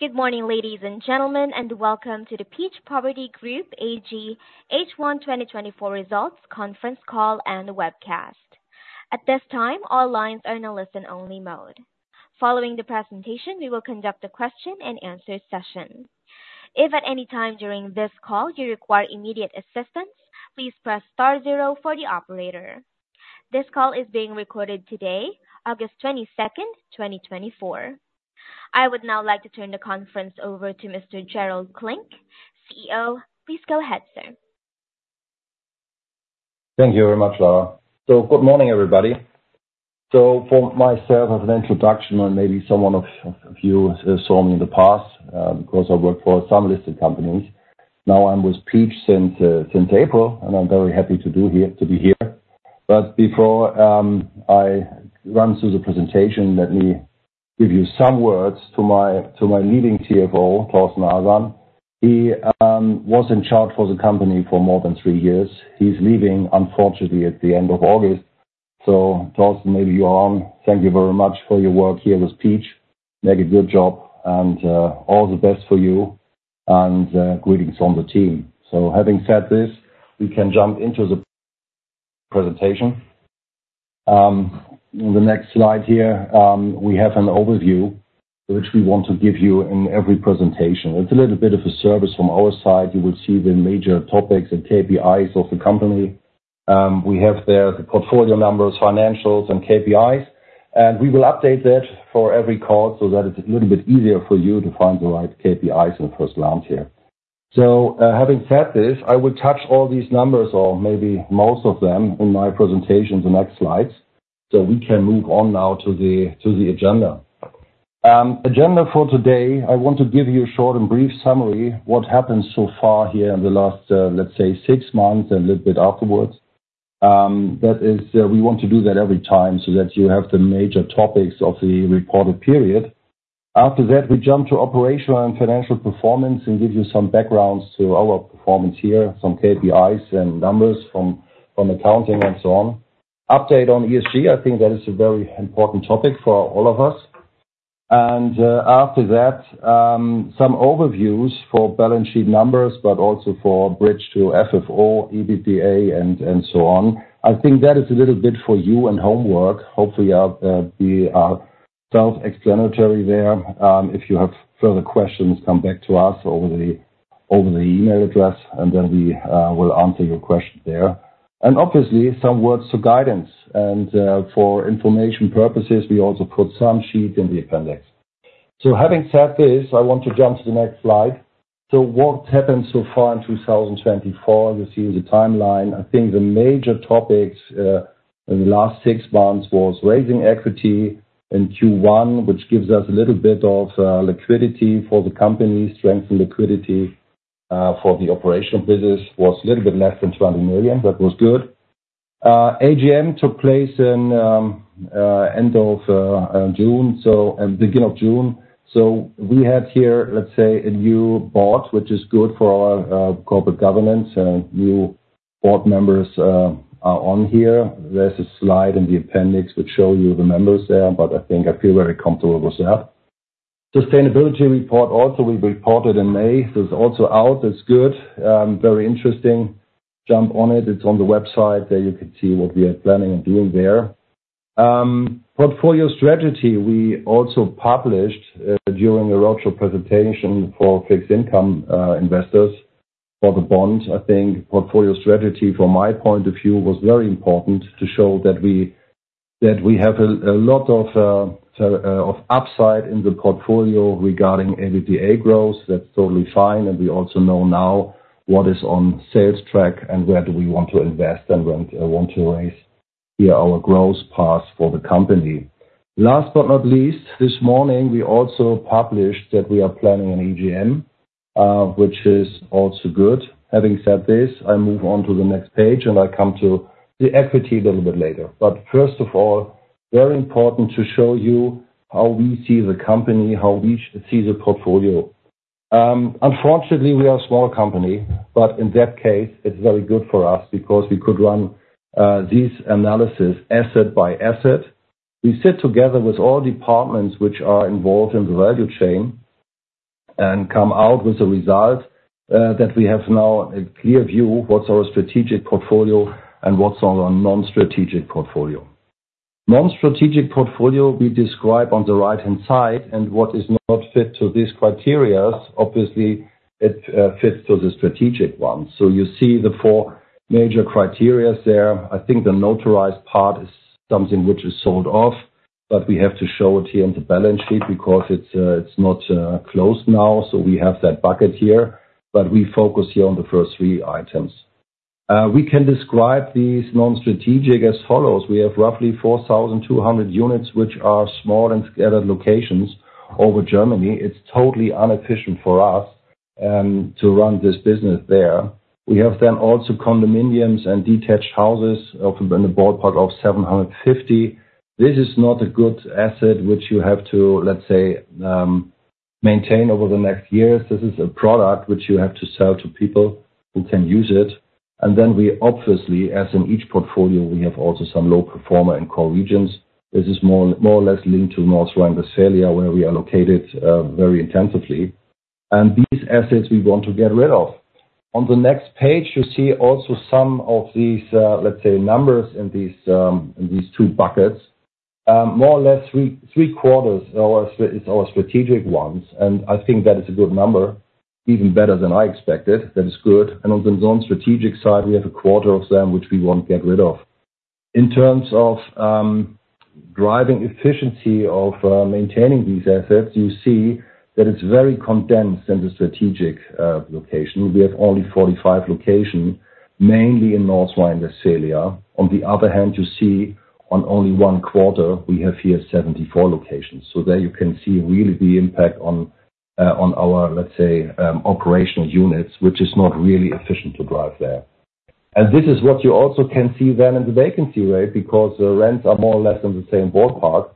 Good morning, ladies and gentlemen, and welcome to the Peach Property Group AG H1 2024 Results Conference Call and Webcast. At this time, all lines are in a listen-only mode. Following the presentation, we will conduct a question-and-answer session. If at any time during this call you require immediate assistance, please press star zero for the operator. This call is being recorded today, 22 August 2024 I would now like to turn the conference over to Mr. Gerald Klinck, CEO. Please go ahead, sir. Thank you very much, Laura. Good morning, everybody. For myself, as an introduction, and maybe some of you saw me in the past, because I worked for some listed companies. Now I'm with Peach since April, and I'm very happy to be here. But before I run through the presentation, let me give you some words to my leading CFO, Thorsten Arsan. He was in charge for the company for more than three years. He's leaving, unfortunately, at the end of August. Thorsten, maybe you're on. Thank you very much for your work here with Peach. Made a good job, and all the best for you, and greetings from the team. Having said this, we can jump into the presentation. The next slide here, we have an overview, which we want to give you in every presentation. It's a little bit of a service from our side. You will see the major topics and KPIs of the company. We have there the portfolio numbers, financials, and KPIs, and we will update that for every call so that it's a little bit easier for you to find the right KPIs in the first round here. So, having said this, I will touch all these numbers or maybe most of them in my presentation, the next slides, so we can move on now to the agenda. Agenda for today, I want to give you a short and brief summary, what happened so far here in the last, let's say, six months and a little bit afterwards. That is, we want to do that every time so that you have the major topics of the reported period. After that, we jump to operational and financial performance and give you some backgrounds to our performance here, some KPIs and numbers from accounting and so on. Update on ESG. I think that is a very important topic for all of us. After that, some overviews for balance sheet numbers, but also for bridge to FFO, EBITDA, and so on. I think that is a little bit for you and homework. Hopefully, I'll be self-explanatory there. If you have further questions, come back to us over the email address, and then we will answer your question there. Obviously, some words to guidance and for information purposes, we also put some sheets in the appendix. So having said this, I want to jump to the next slide. So what happened so far in 2024? You see the timeline. I think the major topics in the last six months was raising equity in Q1, which gives us a little bit of liquidity for the company. Strength and liquidity for the operational business was a little bit less than 20 million. That was good. AGM took place in end of June and beginning of June. So we have here, let's say, a new board, which is good for our corporate governance and new board members are on here. There's a slide in the appendix which show you the members there, but I think I feel very comfortable with that. Sustainability report also we reported in May. That's also out. It's good, very interesting. Jump on it. It's on the website. There you can see what we are planning on doing there. Portfolio strategy, we also published during the virtual presentation for fixed income investors for the bonds. I think portfolio strategy, from my point of view, was very important to show that we have a lot of upside in the portfolio regarding EBITDA growth. That's totally fine, and we also know now what is on sales track and where do we want to invest and when want to raise via our growth path for the company. Last but not least, this morning, we also published that we are planning an AGM, which is also good. Having said this, I move on to the next page, and I come to the equity a little bit later. But first of all, very important to show you how we see the company, how we see the portfolio. Unfortunately, we are a small company, but in that case, it's very good for us because we could run these analysis asset by asset. We sit together with all departments which are involved in the value chain and come out with a result that we have now a clear view what's our strategic portfolio and what's our non-strategic portfolio. Non-strategic portfolio we describe on the right-hand side, and what is not fit to these criteria, obviously, it fits to the strategic one. So you see the four major criteria there. I think the non-strategic part is something which is sold off, but we have to show it here in the balance sheet because it's not closed now. So we have that bucket here, but we focus here on the first three items. We can describe these non-strategic as follows: We have roughly 4,200 units, which are small and scattered locations over Germany. It's totally inefficient for us to run this business there. We have then also condominiums and detached houses of in the ballpark of 750. This is not a good asset which you have to, let's say, maintain over the next years. This is a product which you have to sell to people who can use it, and then we obviously, as in each portfolio, we have also some low performer in core regions. This is more or less linked to North Rhine-Westphalia, where we are located very intensively, and these assets we want to get rid of. On the next page, you see also some of these, let's say, numbers in these two buckets. More or less three quarters of our strategic ones, and I think that is a good number, even better than I expected. That is good, and on the non-strategic side, we have a quarter of them, which we want to get rid of. In terms of driving efficiency of maintaining these assets, you see that it's very condensed in the strategic location. We have only forty-five locations, mainly in North Rhine-Westphalia. On the other hand, you see on only one quarter, we have here seventy-four locations. So there you can see really the impact on our, let's say, operational units, which is not really efficient to drive there. And this is what you also can see then in the vacancy rate, because the rents are more or less in the same ballpark.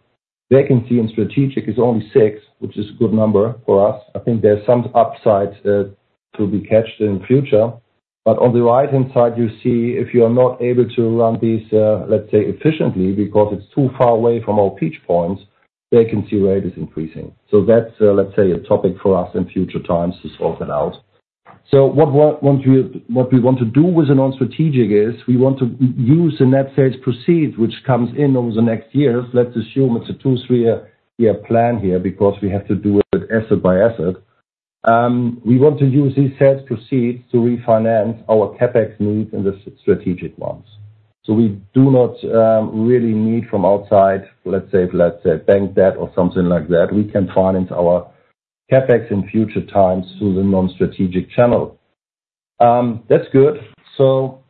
Vacancy in strategic is only 6%, which is a good number for us. I think there are some upsides to be caught in future. But on the right-hand side, you see if you are not able to run these let's say efficiently because it's too far away from our Peach Points, vacancy rate is increasing. So that's let's say a topic for us in future times to sort that out. So what we want to do with the non-strategic is, we want to use the net sales proceeds, which comes in over the next years. Let's assume it's a two- or three-year plan here because we have to do it asset by asset. We want to use these sales proceeds to refinance our CapEx needs in the strategic ones. So we do not really need from outside, let's say, bank debt or something like that. We can finance our CapEx in future times through the non-strategic channel. That's good. So,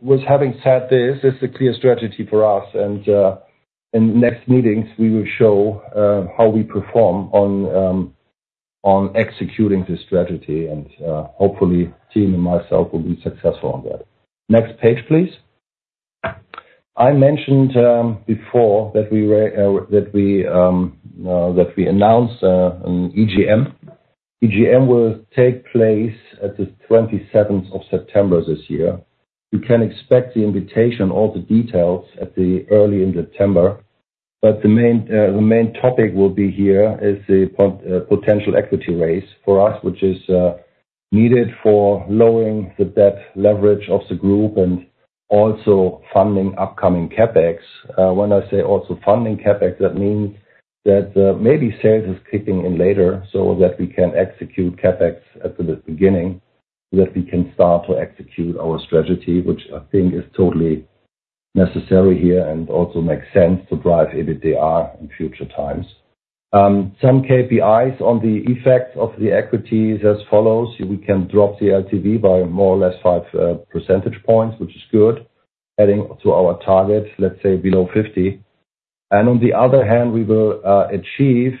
with having said this, it's a clear strategy for us, and in the next meetings, we will show how we perform on executing this strategy, and hopefully, the team and myself will be successful on that. Next page, please. I mentioned before that we announced an EGM. EGM will take place at the 27 September this year. You can expect the invitation, all the details in early September, but the main topic here is the potential equity raise for us, which is needed for lowering the debt leverage of the group and also funding upcoming CapEx. When I say also funding CapEx, that means that maybe sales is kicking in later so that we can execute CapEx at the beginning, so that we can start to execute our strategy, which I think is totally necessary here and also makes sense to drive EBITDA in future times. Some KPIs on the effect of the equity is as follows: We can drop the LTV by more or less five percentage points, which is good, adding to our targets, let's say, below 50. And on the other hand, we will achieve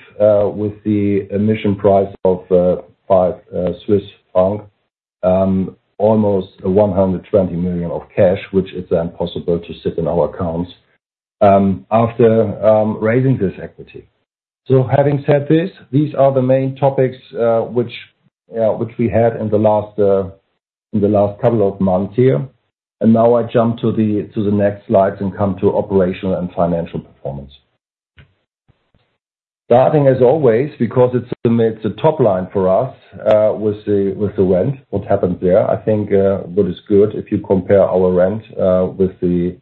with the emission price of 5 Swiss franc almost 120 million of cash, which is then possible to sit in our accounts after raising this equity. So having said this, these are the main topics which we had in the last couple of months here. Now I jump to the next slide and come to operational and financial performance. Starting as always, because it's the top line for us with the rent, what happened there. I think what is good, if you compare our rent with the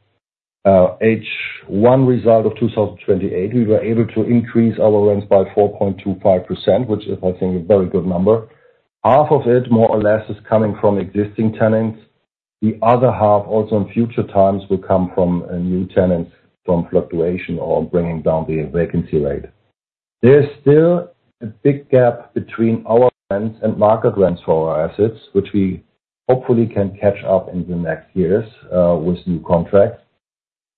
H1 result of 2023, we were able to increase our rent by 4.25%, which is, I think, a very good number. Half of it, more or less, is coming from existing tenants. The other half, also in future times, will come from new tenants, from fluctuation or bringing down the vacancy rate. There is still a big gap between our rents and market rents for our assets, which we hopefully can catch up in the next years with new contracts.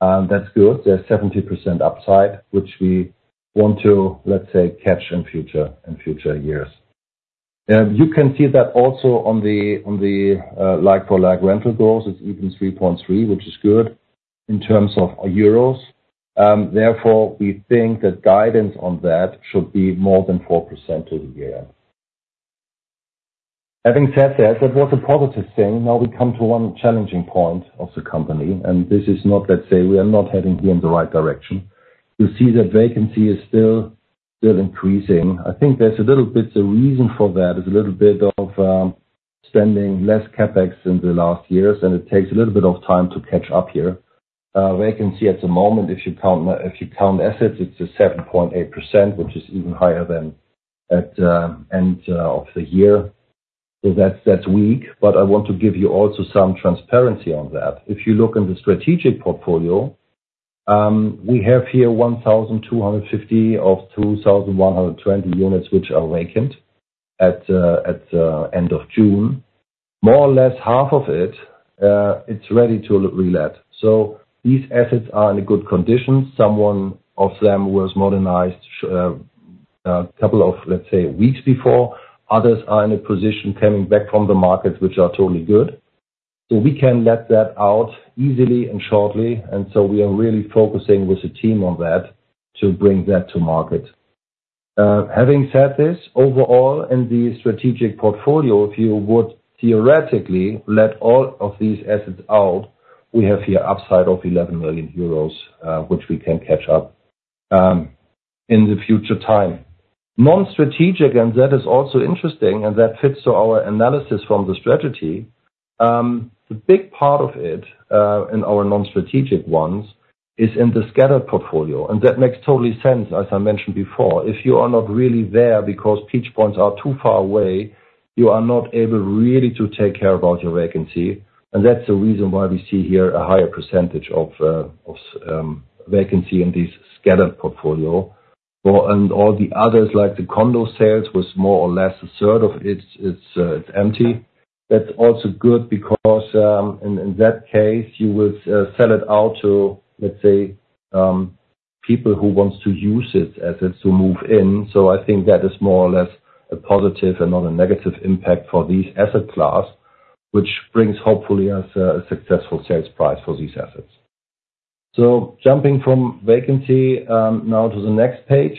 That's good. There's 70% upside, which we want to, let's say, catch in future, in future years. You can see that also on the like-for-like rental growth, it's even 3.3, which is good in terms of euros. Therefore, we think the guidance on that should be more than 4% over the year. Having said that, that was a positive thing. Now we come to one challenging point of the company, and this is not, let's say, we are not heading in the right direction. You see that vacancy is still increasing. I think there's a little bit, the reason for that is a little bit of, spending less CapEx in the last years, and it takes a little bit of time to catch up here. Vacancy at the moment, if you count assets, it's a 7.8%, which is even higher than at the end of the year. So that's weak, but I want to give you also some transparency on that. If you look in the strategic portfolio, we have here 1,250 of 2,120 units, which are vacant at end of June. More or less half of it is ready to re-let, so these assets are in a good condition. Some one of them was modernized a couple of, let's say, weeks before. Others are in a position coming back from the market, which are totally good, so we can let that out easily and shortly, and so we are really focusing with the team on that to bring that to market. Having said this, overall, in the strategic portfolio, if you would theoretically let all of these assets out, we have here upside of 11 million euros, which we can catch up in the future time. Non-strategic, and that is also interesting, and that fits to our analysis from the strategy. The big part of it in our non-strategic ones is in the scattered portfolio, and that makes totally sense. As I mentioned before, if you are not really there because Peach Points are too far away, you are not able really to take care about your vacancy, and that's the reason why we see here a higher percentage of vacancy in this scattered portfolio. And all the others, like the condo sales, was more or less a third of its empty. That's also good because in that case you would sell it out to, let's say, people who wants to use it as is to move in. I think that is more or less a positive and not a negative impact for this asset class, which brings hopefully us a successful sales price for these assets. Jumping from vacancy now to the next page,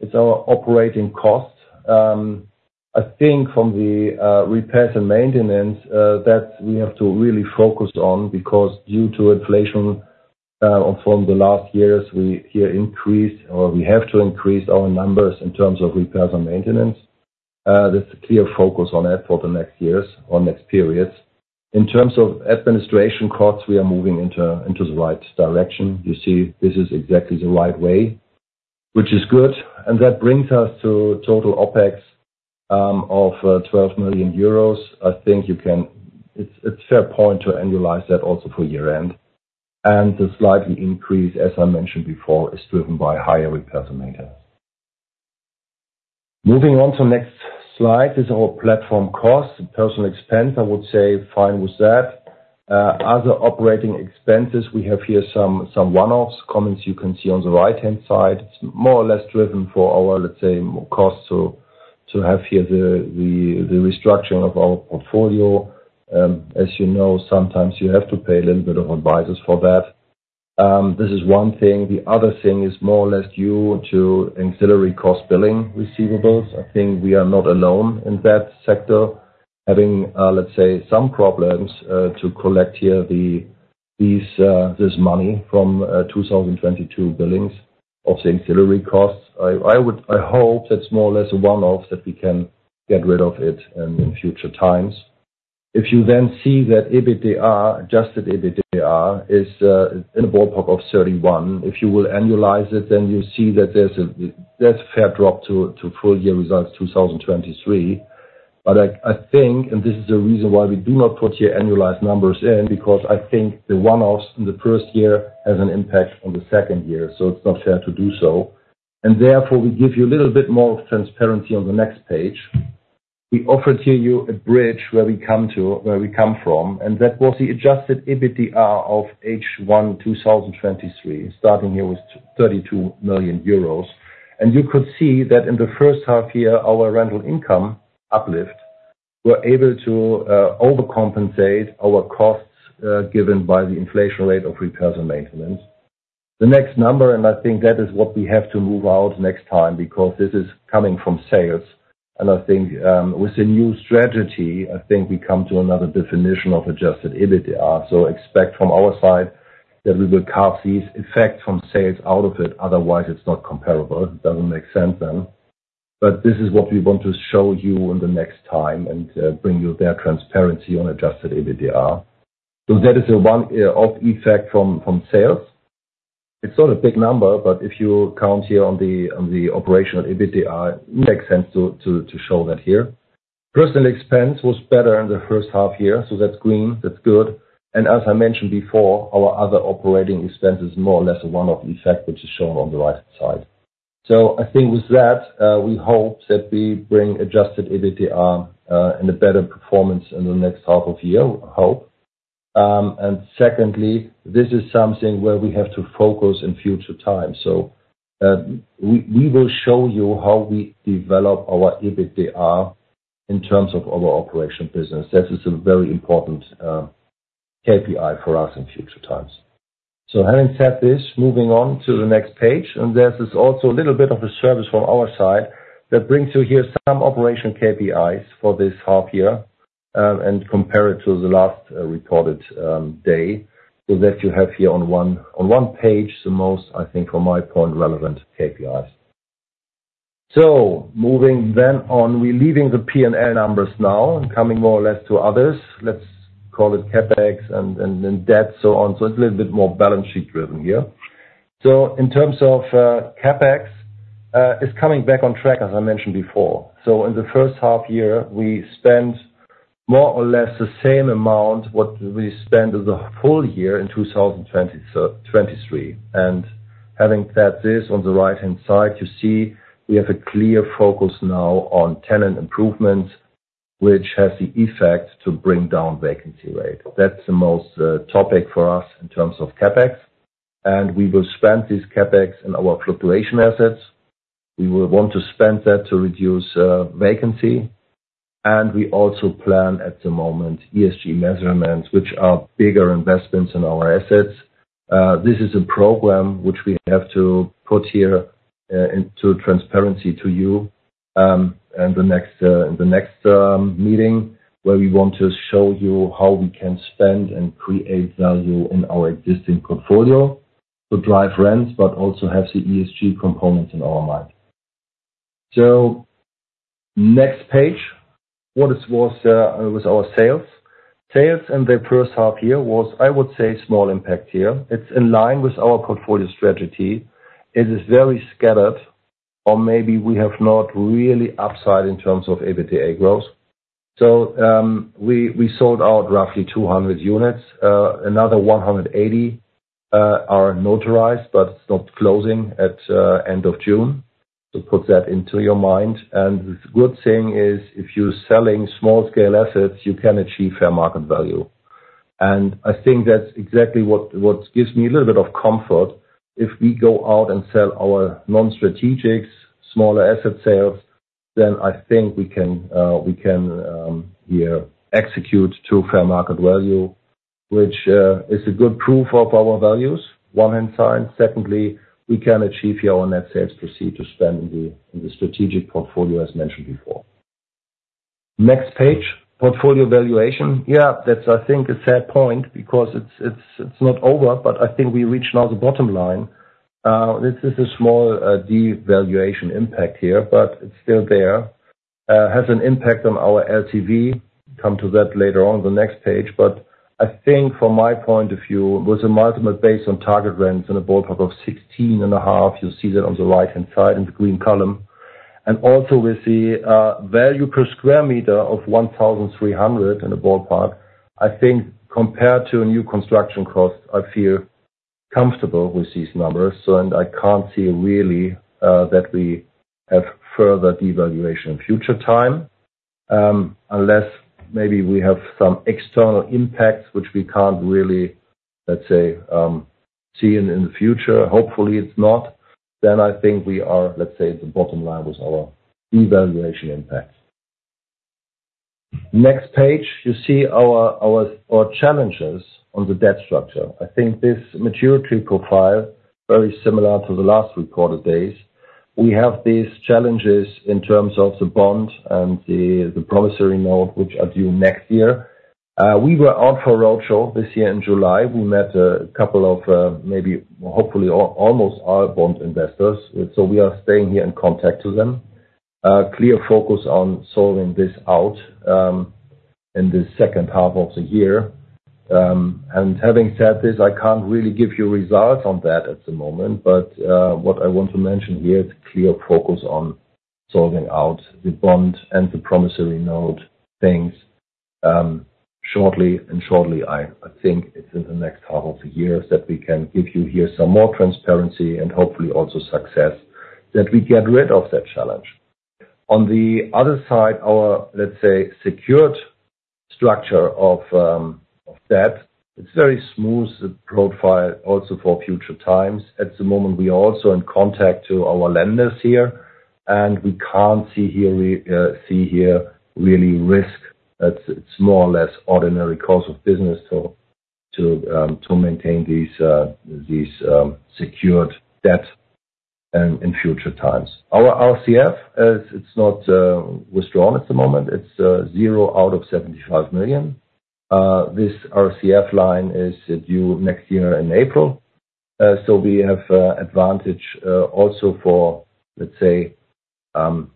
it's our operating cost. I think from the repairs and maintenance that we have to really focus on, because due to inflation from the last years, we here increase or we have to increase our numbers in terms of repairs and maintenance. There's a clear focus on that for the next years or next periods. In terms of administration costs, we are moving into the right direction. You see, this is exactly the right way, which is good, and that brings us to total OpEx of 12 million euros. I think you can. It's a fair point to annualize that also for year-end, and the slight increase, as I mentioned before, is driven by higher repairs and maintenance. Moving on to next slide is our platform cost and personnel expense. I would say fine with that. Other operating expenses, we have here some one-offs, as you can see on the right-hand side. It's more or less driven by our, let's say, costs to have here the restructuring of our portfolio. As you know, sometimes you have to pay a little bit of advisors for that. This is one thing. The other thing is more or less due to ancillary cost billing receivables. I think we are not alone in that sector, having, let's say, some problems to collect here the money from two thousand twenty-two billings of the ancillary costs. I hope that's more or less a one-off, that we can get rid of it in future times. If you then see that EBITDA, adjusted EBITDA, is in a ballpark of 31. If you will annualize it, then you see that that's a fair drop to full year results, 2023. But I think, and this is the reason why we do not put your annualize numbers in, because I think the one-offs in the first year has an impact on the second year, so it's not fair to do so. And therefore, we give you a little bit more transparency on the next page. We offer to you a bridge where we come to, where we come from, and that was the adjusted EBITDA of H1 2023, starting here with 32 million euros. You could see that in the first half year, our rental income uplift, we're able to overcompensate our costs given by the inflation rate of repairs and maintenance. The next number, and I think that is what we have to move out next time, because this is coming from sales. I think with the new strategy, I think we come to another definition of adjusted EBITDA. Expect from our side that we will carve these effects from sales out of it, otherwise it's not comparable. It doesn't make sense then. This is what we want to show you in the next time and bring you there transparency on adjusted EBITDA. So that is a one-off effect from sales. It's not a big number, but if you count here on the operational EBITDA, it makes sense to show that here. Personal expense was better in the first half year, so that's green, that's good. And as I mentioned before, our other operating expenses is more or less a one-off effect, which is shown on the right side. So I think with that, we hope that we bring adjusted EBITDA and a better performance in the next half of year, I hope. And secondly, this is something where we have to focus in future times. So, we will show you how we develop our EBITDA in terms of our operation business. This is a very important KPI for us in future times. So having said this, moving on to the next page, and this is also a little bit of a service from our side, that brings you here some operation KPIs for this half year, and compare it to the last reported day. So that you have here on one page, the most, I think, from my point, relevant KPIs. So moving then on, we're leaving the P&L numbers now and coming more or less to others. Let's call it CapEx and debt, so on. So it's a little bit more balance sheet driven here. So in terms of CapEx, it's coming back on track, as I mentioned before. So in the first half year, we spent more or less the same amount, what we spent the full year in 2023. And having said this, on the right-hand side, you see we have a clear focus now on tenant improvements, which has the effect to bring down vacancy rate. That's the most topic for us in terms of CapEx, and we will spend this CapEx in our portfolio assets. We will want to spend that to reduce vacancy. And we also plan at the moment ESG measurements, which are bigger investments in our assets. This is a program which we have to put here into transparency to you in the next meeting, where we want to show you how we can spend and create value in our existing portfolio, to drive rents, but also have the ESG components in our mind. So next page. What is, was our sales? Sales in the first half year was, I would say, small impact here. It's in line with our portfolio strategy. It is very scattered, or maybe we have not really upside in terms of EBITDA growth. So, we sold out roughly two hundred units. Another one hundred and eighty are notarized, but it's not closing at end of June. So put that into your mind. And the good thing is, if you're selling small scale assets, you can achieve fair market value. And I think that's exactly what gives me a little bit of comfort. If we go out and sell our non-strategics, smaller asset sales, then I think we can execute to fair market value, which is a good proof of our values, one hand side. Secondly, we can achieve here our net sales proceeds to spend in the strategic portfolio, as mentioned before. Next page, portfolio valuation. Yeah, that's, I think, a fair point because it's not over, but I think we reached now the bottom line. This is a small devaluation impact here, but it's still there. Has an impact on our LTV. Come to that later on the next page, but I think from my point of view, with a multiple based on target rents in a ballpark of sixteen and a half, you'll see that on the right-hand side in the green column. And also with the value per square meter of 1,300 in the ballpark, I think compared to a new construction cost, I feel comfortable with these numbers. So and I can't see really that we have further devaluation in future time, unless maybe we have some external impacts, which we can't really, let's say, see in the future. Hopefully, it's not. Then I think we are, let's say, at the bottom line with our devaluation impact. Next page, you see our challenges on the debt structure. I think this maturity profile, very similar to the last recorded days. We have these challenges in terms of the bond and the promissory note, which are due next year. We were out for roadshow this year in July. We met a couple of, maybe, hopefully, almost our bond investors. So we are staying here in contact to them. A clear focus on solving this out in the second half of the year. And having said this, I can't really give you results on that at the moment, but what I want to mention here is clear focus on solving out the bond and the promissory note things shortly. And shortly, I think it's in the next half of the year that we can give you here some more transparency and hopefully also success, that we get rid of that challenge. On the other side, our, let's say, secured structure of debt, it's very smooth profile also for future times. At the moment, we are also in contact to our lenders here, and we can't see here really risk. It's more or less ordinary course of business to maintain these secured debt in future times. Our RCF it's not withdrawn at the moment. It's zero out of seventy-five million. This RCF line is due next year in April. So we have advantage also for, let's say,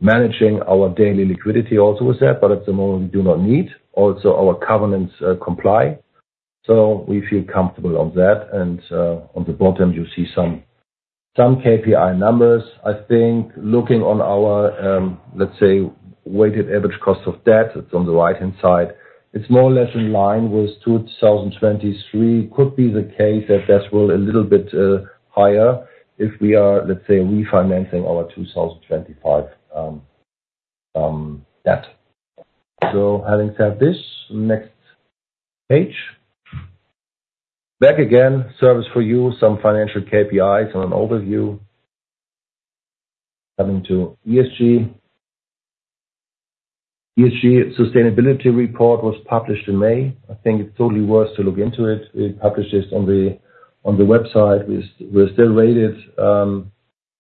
managing our daily liquidity also with that, but at the moment, we do not need. Also, our covenants comply, so we feel comfortable on that. And on the bottom, you see some KPI numbers. I think looking on our, let's say, weighted average cost of debt, it's on the right-hand side, it's more or less in line with 2023. Could be the case that that will a little bit higher if we are, let's say, refinancing our 2025 debt. So having said this, next page. Back again, service for you, some financial KPIs and an overview. Coming to ESG. ESG sustainability report was published in May. I think it's totally worth to look into it. We published this on the, on the website. We're still rated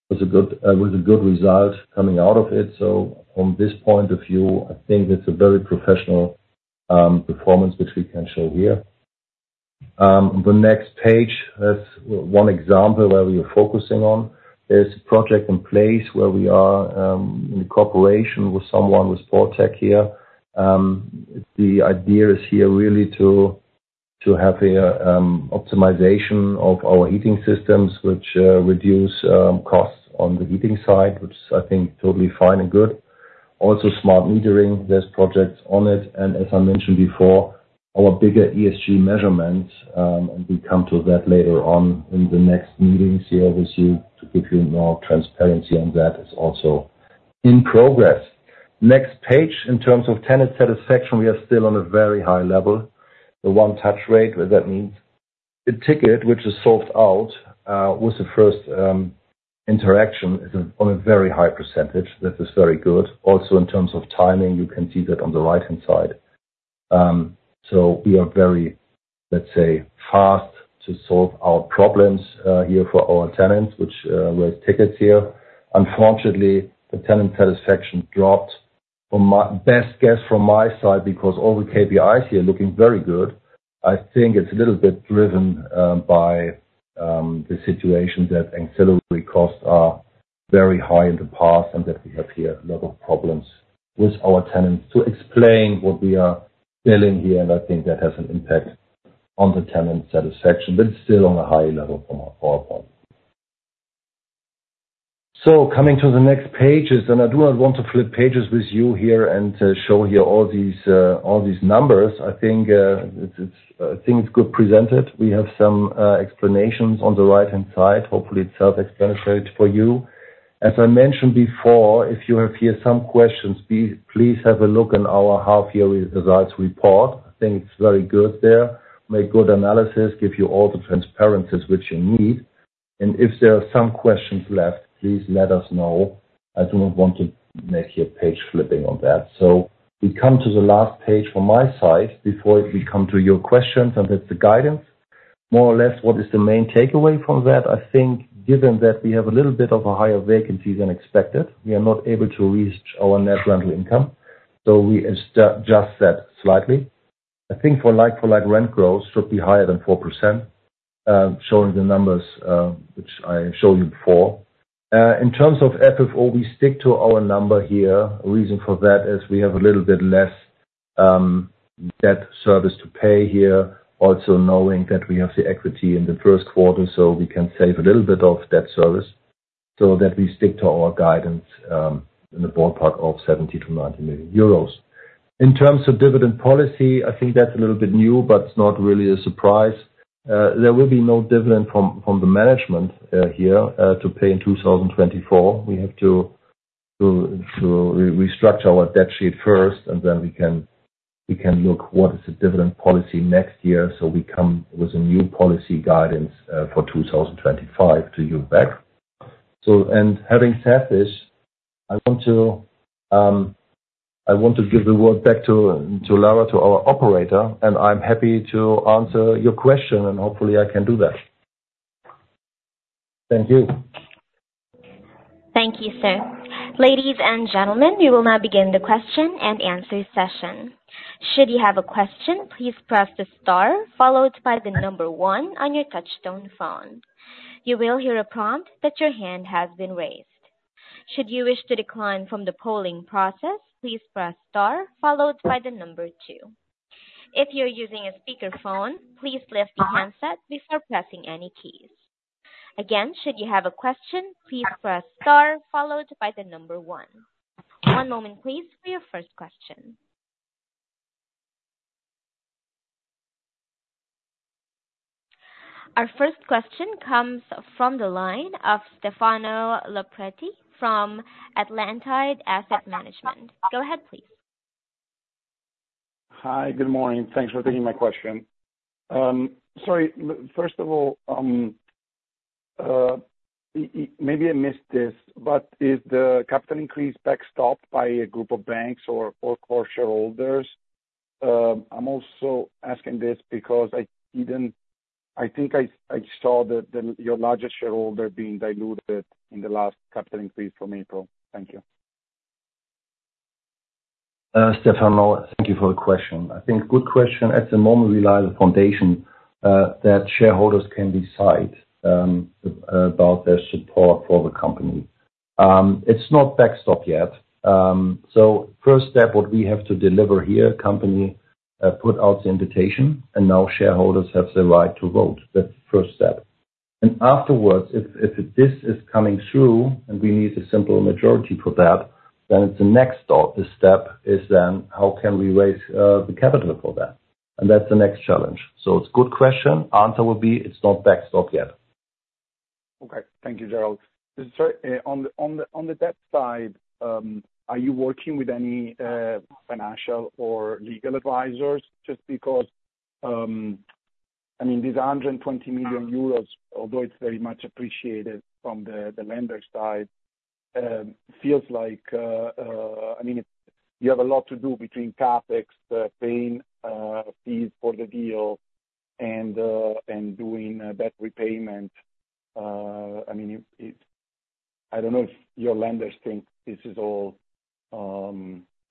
with a good result coming out of it. So from this point of view, I think it's a very professional performance, which we can show here. The next page, that's one example where we are focusing on, is project in place where we are in cooperation with someone, with PAUL Tech here. The idea is here really to have a optimization of our heating systems, which reduce costs on the heating side, which I think totally fine and good. Also, smart metering, there's projects on it. And as I mentioned before, our bigger ESG measurements, and we come to that later on in the next meeting here with you to give you more transparency on that, is also in progress. Next page, in terms of tenant satisfaction, we are still on a very high level. The one touch rate, what that means? The ticket, which is solved out, was the first interaction, is on a very high percentage. That is very good. Also, in terms of timing, you can see that on the right-hand side. So we are very, let's say, fast to solve our problems here for our tenants, which work tickets here. Unfortunately, the tenant satisfaction dropped. From my best guess from my side, because all the KPIs here are looking very good, I think it's a little bit driven by the situation that ancillary costs are very high in the past and that we have here a lot of problems with our tenants to explain what we are billing here. And I think that has an impact on the tenant satisfaction, but it's still on a high level from our point. So coming to the next pages, and I do not want to flip pages with you here and show you all these numbers. I think it's good presented. We have some explanations on the right-hand side. Hopefully, it's self-explanatory for you. As I mentioned before, if you have here some questions, please have a look on our half-yearly results report. I think it's very good there. Make good analysis, give you all the transparencies which you need, and if there are some questions left, please let us know. I do not want to make your page flipping on that. We come to the last page from my side before we come to your questions, and that's the guidance. More or less, what is the main takeaway from that? I think given that we have a little bit of a higher vacancy than expected, we are not able to reach our net rental income, so we adjust that slightly. I think for like-for-like rent growth should be higher than 4%, showing the numbers, which I showed you before. In terms of FFO, we stick to our number here. A reason for that is we have a little bit less debt service to pay here, also knowing that we have the equity in the first quarter, so we can save a little bit of debt service so that we stick to our guidance in the ballpark of 70 to 90 million. In terms of dividend policy, I think that's a little bit new, but it's not really a surprise. There will be no dividend from the management here to pay in 2024. We have to restructure our balance sheet first, and then we can look what is the dividend policy next year, so we come with a new policy guidance for 2025 back to you. Having said this, I want to give the word back to Lara, our operator, and I'm happy to answer your question, and hopefully I can do that. Thank you. Thank you, sir. Ladies and gentlemen, we will now begin the question and answer session. Should you have a question, please press the star followed by the number one on your touch-tone phone. You will hear a prompt that your hand has been raised. Should you wish to decline from the polling process, please press star followed by the number two. If you're using a speakerphone, please lift the handset before pressing any keys. Again, should you have a question, please press star followed by the number one. One moment, please, for your first question. Our first question comes from the line of Stefano Lopresti from Atlantide Asset Management. Go ahead, please. Hi, good morning. Thanks for taking my question. Sorry, first of all, maybe I missed this, but is the capital increase backstopped by a group of banks or core shareholders? I'm also asking this because I didn't... I think I saw that your largest shareholder being diluted in the last capital increase from April. Thank you. Stefano, thank you for the question. I think good question. At the moment, we rely on the foundation that shareholders can decide about their support for the company. It's not backstopped yet. So first step, what we have to deliver here, company put out the invitation, and now shareholders have the right to vote. That's the first step. And afterwards, if this is coming through and we need a simple majority for that, then the next step is then how can we raise the capital for that? And that's the next challenge. So it's a good question. Answer will be it's not backstopped yet. Okay. Thank you, Gerald. So, on the debt side, are you working with any financial or legal advisors? Just because, I mean, these 120 million euros, although it's very much appreciated from the lender side, feels like, I mean, you have a lot to do between CapEx, paying fees for the deal and doing debt repayment. I mean, it. I don't know if your lenders think this is all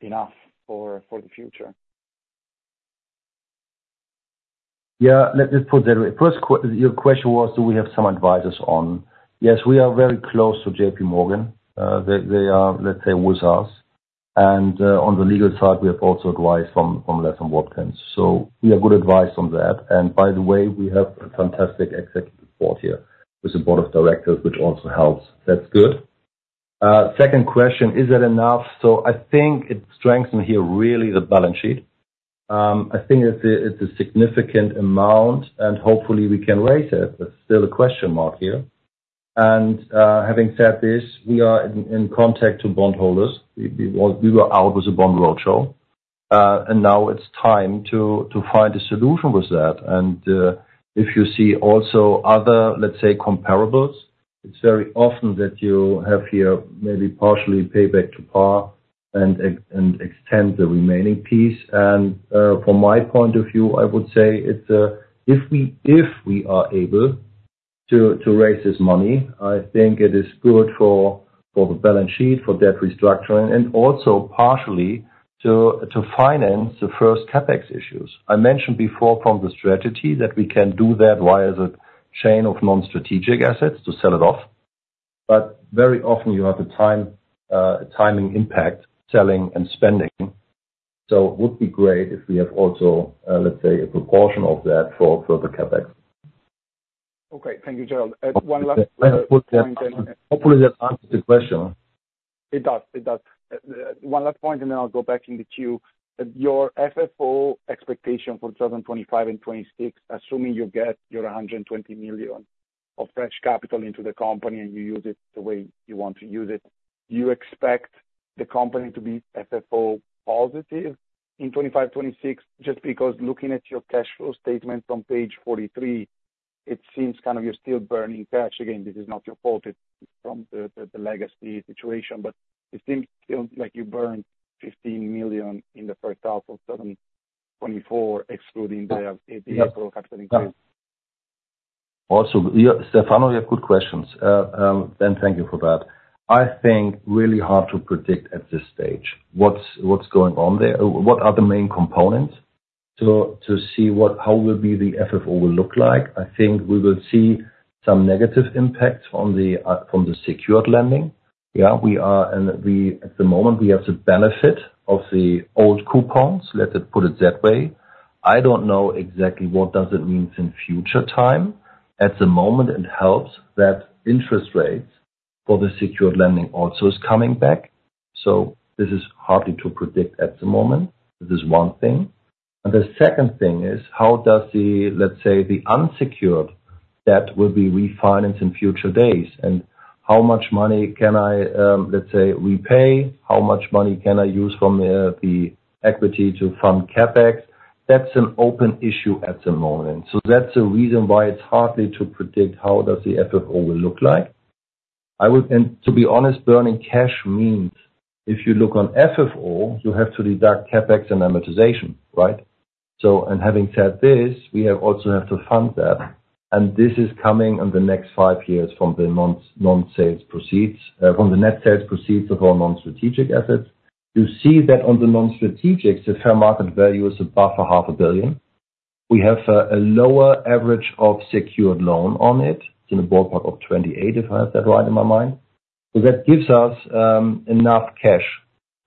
enough for the future. Yeah, let me put it that way. First, your question was, do we have some advisors on? Yes, we are very close to J.P. Morgan. They are, let's say, with us, and on the legal side, we have also advice from Latham & Watkins, so we have good advice on that, and by the way, we have a fantastic executive board here with a board of directors, which also helps. That's good. Second question, is that enough? I think it strengthens here really the balance sheet. I think it's a significant amount, and hopefully we can raise it, but still a question mark here, and having said this, we are in contact to bondholders. We were out with a bond roadshow, and now it's time to find a solution with that. If you see also other, let's say, comparables, it's very often that you have here maybe partially pay back to par and extend the remaining piece. From my point of view, I would say it's if we are able to raise this money. I think it is good for the balance sheet, for debt restructuring, and also partially to finance the first CapEx issues. I mentioned before from the strategy that we can do that via the chain of non-strategic assets to sell it off, but very often you have the timing impact, selling and spending. It would be great if we have also, let's say, a proportion of that for further CapEx. Okay. Thank you, Gerald. One last point- Hopefully that answers the question. It does, it does. One last point, and then I'll go back in the queue. Your FFO expectation for 2025 and 2026, assuming you get your 120 million of fresh capital into the company, and you use it the way you want to use it, do you expect the company to be FFO positive in 2025, 2026? Just because looking at your cash flow statement on page 43, it seems kind of you're still burning cash. Again, this is not your fault, it's from the legacy situation, but it seems still like you burned 15 million in the first half of 2024, excluding the April capital increase. Also, yeah, Stefano, you have good questions. And thank you for that. I think really hard to predict at this stage. What's going on there? What are the main components to see what - how the FFO will look like? I think we will see some negative impacts on the from the secured lending. Yeah, at the moment, we have the benefit of the old coupons, let me put it that way. I don't know exactly what does it means in future time. At the moment, it helps that interest rates for the secured lending also is coming back, so this is hardly to predict at the moment. This is one thing. And the second thing is, how does the, let's say, the unsecured debt will be refinanced in future days? And how much money can I, let's say, repay? How much money can I use from the equity to fund CapEx? That's an open issue at the moment. So that's the reason why it's hardly to predict how does the FFO will look like. I would and to be honest, burning cash means if you look on FFO, you have to deduct CapEx and amortization, right? So, and having said this, we also have to fund that, and this is coming in the next five years from the non-sales proceeds from the net sales proceeds of our non-strategic assets. You see that on the non-strategic, the fair market value is above 500 million. We have a lower average of secured loan on it, it's in the ballpark of 28, if I have that right in my mind. So that gives us enough cash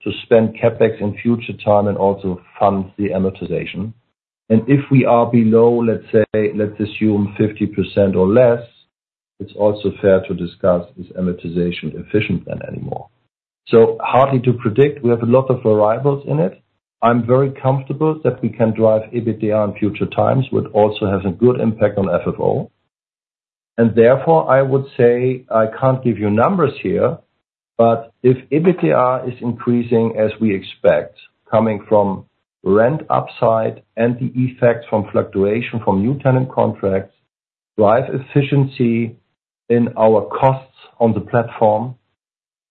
to spend CapEx in future time and also fund the amortization. And if we are below, let's say, let's assume 50% or less, it's also fair to discuss, is amortization efficient than anymore? So hardly to predict. We have a lot of variables in it. I'm very comfortable that we can drive EBITDA in future times, would also have a good impact on FFO. Therefore, I would say, I can't give you numbers here, but if EBITDA is increasing as we expect, coming from rent upside and the effects from fluctuation from new tenant contracts, drive efficiency in our costs on the platform,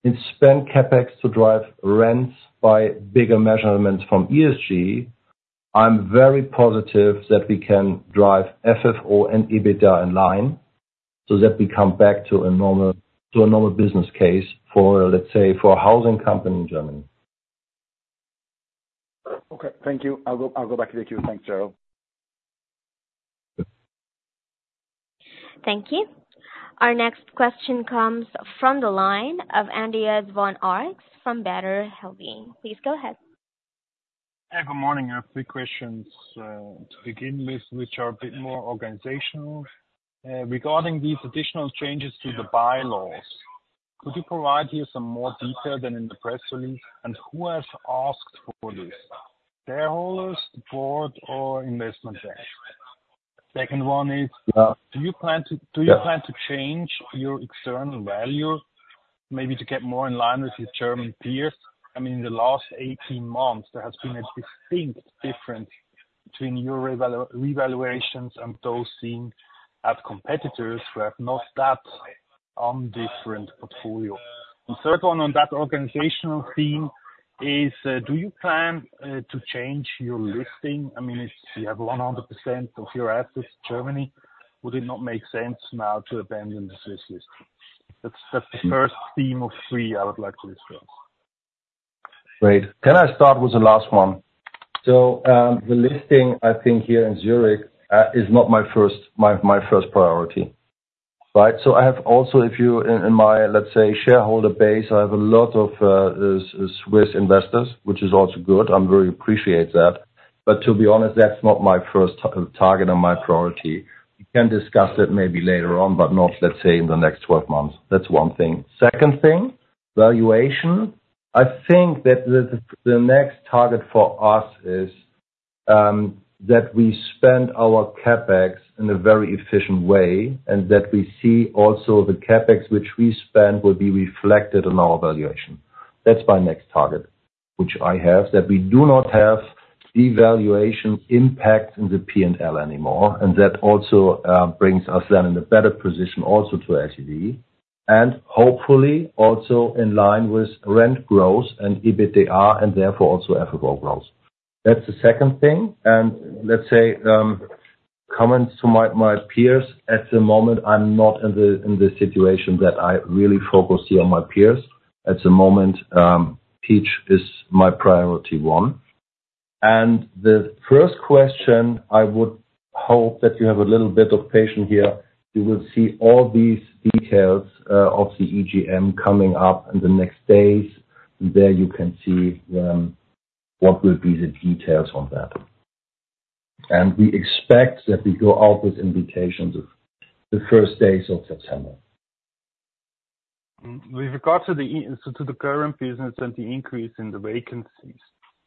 and spend CapEx to drive rents by bigger measurements from ESG, I'm very positive that we can drive FFO and EBITDA in line, so that we come back to a normal, to a normal business case for, let's say, for a housing company in Germany. Okay, thank you. I'll go, I'll go back to the queue. Thanks, Gerald. Thank you. Our next question comes from the line of Andreas von Arx from Baader Helvea. Please go ahead. Good morning. I have three questions to begin with, which are a bit more organizational. Regarding these additional changes to the bylaws, could you provide here some more detail than in the press release, and who has asked for this? Shareholders, board, or investment bank? Second one is- Yeah. Do you plan to change your external value, maybe to get more in line with your German peers? I mean, in the last eighteen months, there has been a distinct difference between your revaluations and those seen at competitors who have not that different portfolio. The third one on that organizational theme is, do you plan to change your listing? I mean, if you have 100% of your assets in Germany, would it not make sense now to abandon the Swiss listing? That's the first theme of three I would like to discuss. Great. Can I start with the last one? So, the listing, I think, here in Zurich, is not my first, my first priority, right? So I have also, in my, let's say, shareholder base, I have a lot of Swiss investors, which is also good. I very appreciate that. But to be honest, that's not my first target or my priority. We can discuss it maybe later on, but not, let's say, in the next twelve months. That's one thing. Second thing, valuation. I think that the next target for us is that we spend our CapEx in a very efficient way, and that we see also the CapEx which we spend will be reflected in our valuation. That's my next target, which I have, that we do not have devaluation impact in the P&L anymore, and that also brings us then in a better position also to S&P. And hopefully, also in line with rent growth and EBITDA, and therefore also FFO growth. That's the second thing. And let's say comments to my peers. At the moment, I'm not in the situation that I really focus here on my peers. At the moment, Peach is my priority one. And the first question, I would hope that you have a little bit of patience here. You will see all these details of the EGM coming up in the next days. There you can see what will be the details on that. And we expect that we go out with invitations of the first days of September. With regard to the current business and the increase in the vacancies,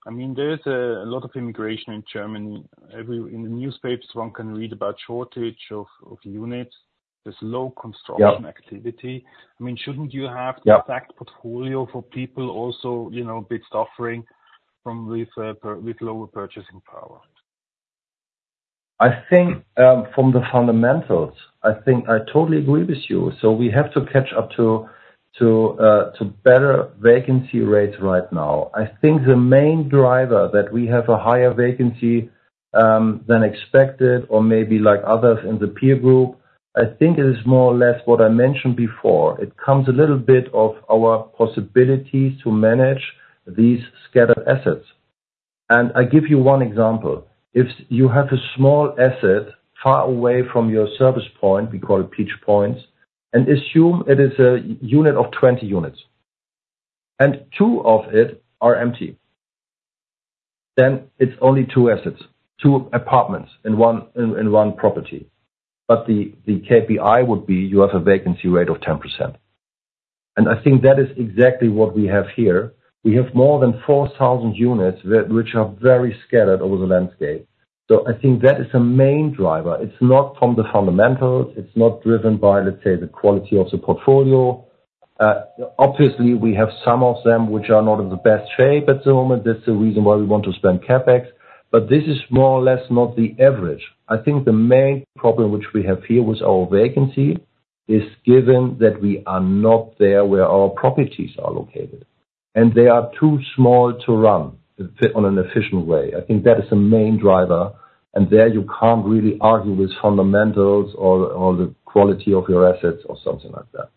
I mean, there's a lot of immigration in Germany. In the newspapers, one can read about shortage of units. There's low construction- Yeah. I mean, shouldn't you have- Yeah... the fact portfolio for people also, you know, bit suffering from with lower purchasing power? I think from the fundamentals, I think I totally agree with you. So we have to catch up to better vacancy rates right now. I think the main driver that we have a higher vacancy than expected, or maybe like others in the peer group, I think it is more or less what I mentioned before. It comes a little bit of our possibilities to manage these scattered assets. And I give you one example: if you have a small asset far away from your service point, we call it Peach Points, and assume it is a unit of 20 units, and two of it are empty, then it's only two assets, two apartments in one property. But the KPI would be, you have a vacancy rate of 10%. And I think that is exactly what we have here. We have more than 4,000 units that which are very scattered over the landscape. So I think that is a main driver. It's not from the fundamentals, it's not driven by, let's say, the quality of the portfolio. Obviously, we have some of them which are not in the best shape at the moment. That's the reason why we want to spend CapEx. But this is more or less not the average. I think the main problem which we have here with our vacancy is given that we are not there where our properties are located, and they are too small to run on an efficient way. I think that is the main driver, and there you can't really argue with fundamentals or the quality of your assets or something like that.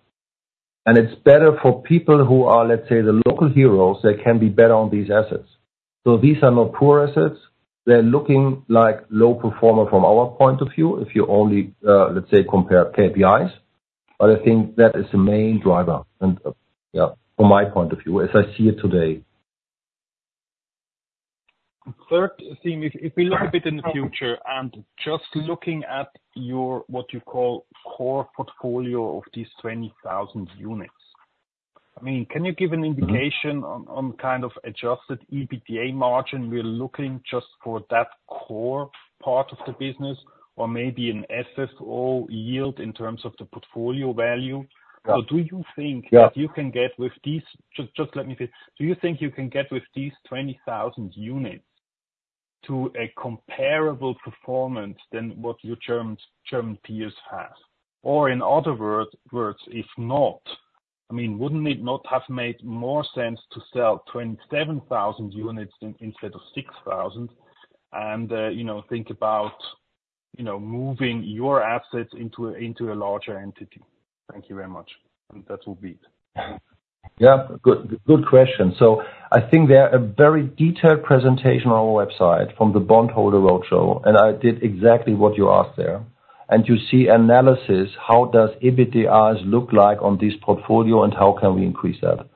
And it's better for people who are, let's say, the local heroes, they can be better on these assets. So these are not poor assets. They're looking like low performer from our point of view, if you only, let's say, compare KPIs, but I think that is the main driver. And, yeah, from my point of view, as I see it today. Third thing, if we look a bit in the future and just looking at your, what you call, core portfolio of these 20,000 units. I mean, can you give an indication on kind of adjusted EBITDA margin, we're looking just for that core part of the business, or maybe an FFO yield in terms of the portfolio value? Yeah. So do you think- Yeah. That you can get with these... Just, just let me finish. Do you think you can get with these 20,000 units to a comparable performance than what your German peers have? Or in other words, if not, I mean, wouldn't it not have made more sense to sell 27,000 units instead of 6,000, and, you know, think about, you know, moving your assets into a larger entity? Thank you very much, and that will be it. Yeah. Good, good question. So I think there are a very detailed presentation on our website from the bondholder roadshow, and I did exactly what you asked there. And you see analysis, how does EBITDA look like on this portfolio and how can we increase that?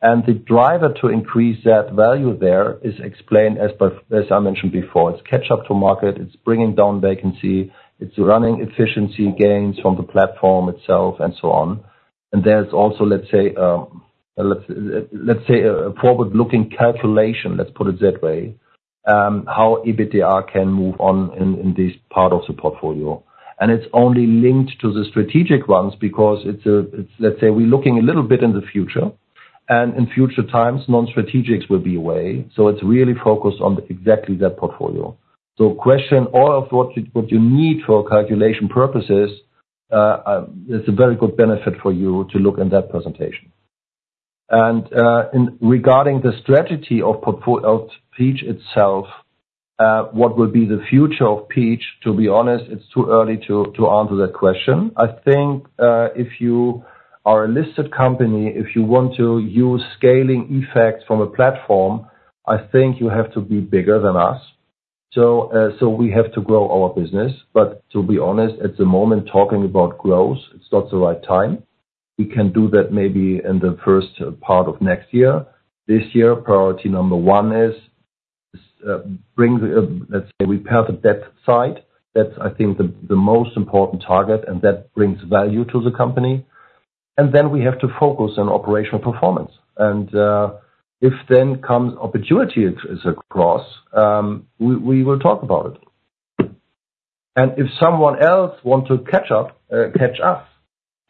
And the driver to increase that value there is explained as per, as I mentioned before, it's catch up to market, it's bringing down vacancy, it's running efficiency gains from the platform itself and so on. And there's also, let's say, a forward-looking calculation, let's put it that way, how EBITDA can move on in this part of the portfolio. And it's only linked to the strategic ones because it's, let's say we're looking a little bit in the future, and in future times, non-strategics will be away. So it's really focused on exactly that portfolio. So, question all of what you need for calculation purposes. It's a very good benefit for you to look in that presentation. And in regarding the strategy of portfolio of Peach itself, what will be the future of Peach? To be honest, it's too early to answer that question. I think if you are a listed company, if you want to use scaling effects from a platform, I think you have to be bigger than us. So we have to grow our business. But to be honest, at the moment, talking about growth, it's not the right time. We can do that maybe in the first part of next year. This year, priority number one is, let's say, repair the debt side. That's, I think, the most important target, and that brings value to the company. And then we have to focus on operational performance. And if then comes opportunity is across, we will talk about it. And if someone else want to catch up, catch us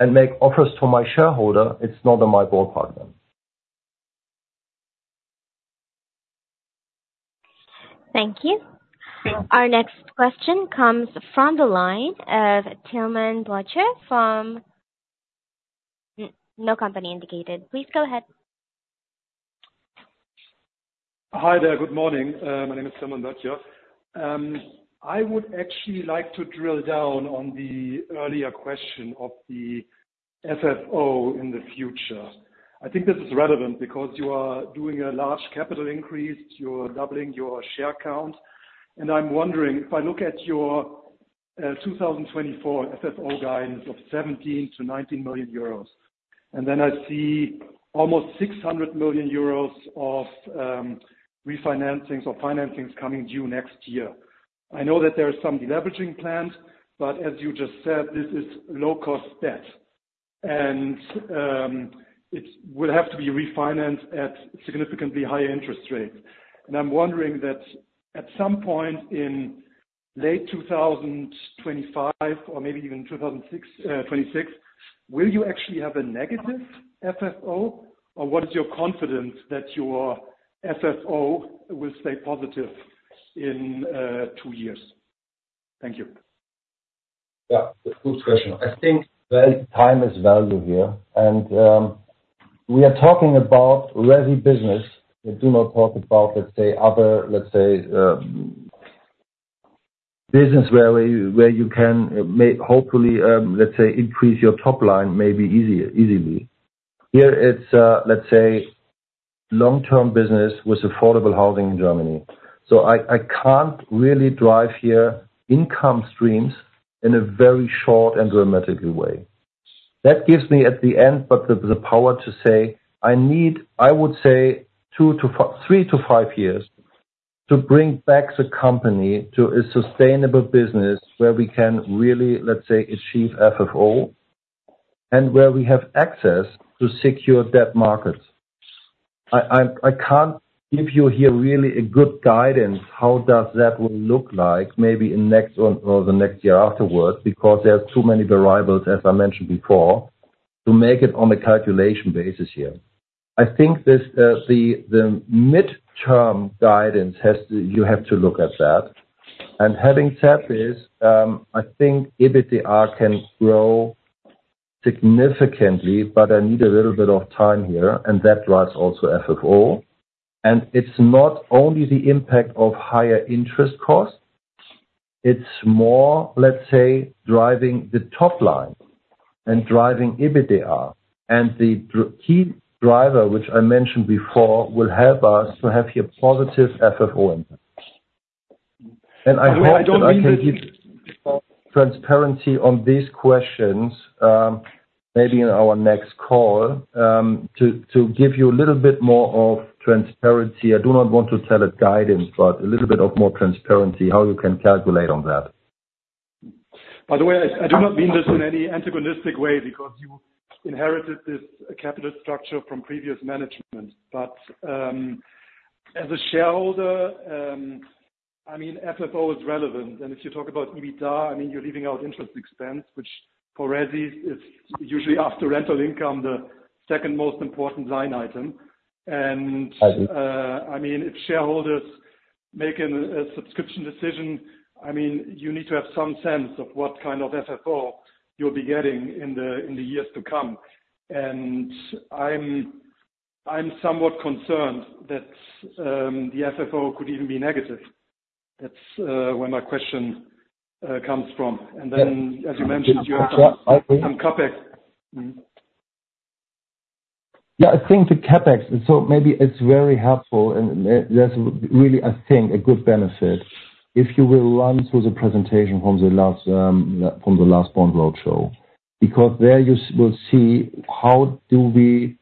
and make offers to my shareholder, it's not on my board partner. Thank you. Our next question comes from the line of Tillman Blocher from, no company indicated. Please go ahead. Hi there. Good morning. My name is Tillman Blocher. I would actually like to drill down on the earlier question of the FFO in the future. I think this is relevant because you are doing a large capital increase, you're doubling your share count. And I'm wondering, iF I look at your 2024 FFO guidance of 17 to19 million, and then I see almost 600 million euros of refinancings or financings coming due next year. I know that there is some deleveraging plans, but as you just said, this is low cost debt. And it will have to be refinanced at significantly higher interest rates. And I'm wondering that at some point in late 2025 or maybe even 2026, will you actually have a negative FFO? Or what is your confidence that your FFO will stay positive in two years? Thank you. Yeah, good question. I think time is value here, and we are talking about resi business. We do not talk about, let's say, other, let's say, business where we - where you can make, hopefully, let's say, increase your top line, maybe easier, easily. Here, it's, let's say, long-term business with affordable housing in Germany. So I can't really drive here income streams in a very short and dramatically way. That gives me, at the end, but the power to say, I need, I would say, two to three to five years to bring back the company to a sustainable business where we can really, let's say, achieve FFO, and where we have access to secure debt markets. I can't give you here really a good guidance, how does that will look like maybe in next or the next year afterwards, because there are too many variables, as I mentioned before, to make it on a calculation basis here. I think this, the midterm guidance has to. You have to look at that. And having said this, I think EBITDA can grow significantly, but I need a little bit of time here, and that drives also FFO. And it's not only the impact of higher interest costs, it's more, let's say, driving the top line and driving EBITDA. And the key driver, which I mentioned before, will help us to have a positive FFO impact. I hope I can give transparency on these questions, maybe in our next call, to give you a little bit more of transparency. I do not want to tell a guidance, but a little bit of more transparency, how you can calculate on that. By the way, I do not mean this in any antagonistic way because you inherited this capital structure from previous management. But, as a shareholder, I mean, FFO is relevant. And if you talk about EBITDA, I mean, you're leaving out interest expense, which for resi, is usually after rental income, the second most important line item. I do. And, I mean, if shareholders making a subscription decision, I mean, you need to have some sense of what kind of FFO you'll be getting in the years to come. And I'm somewhat concerned that the FFO could even be negative. That's where my question comes from. Yeah. And then, as you mentioned, you have some CapEx. Yeah, I think the CapEx, so maybe it's very helpful, and there's really, I think, a good benefit. If you will run through the presentation from the last Bond Roadshow, because there you will see how do we,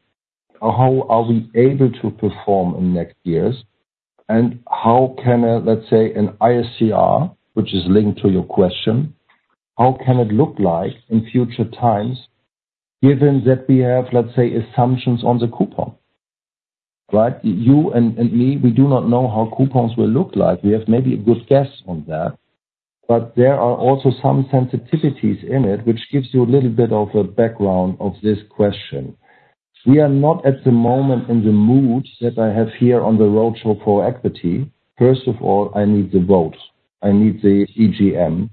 or how are we able to perform in next years, and how can, let's say, an ISCR, which is linked to your question, how can it look like in future times, given that we have, let's say, assumptions on the coupon, right? You and, and me, we do not know how coupons will look like. We have maybe a good guess on that, but there are also some sensitivities in it, which gives you a little bit of a background of this question. We are not, at the moment, in the mood that I have here on the roadshow for equity. First of all, I need the vote. I need the EGM,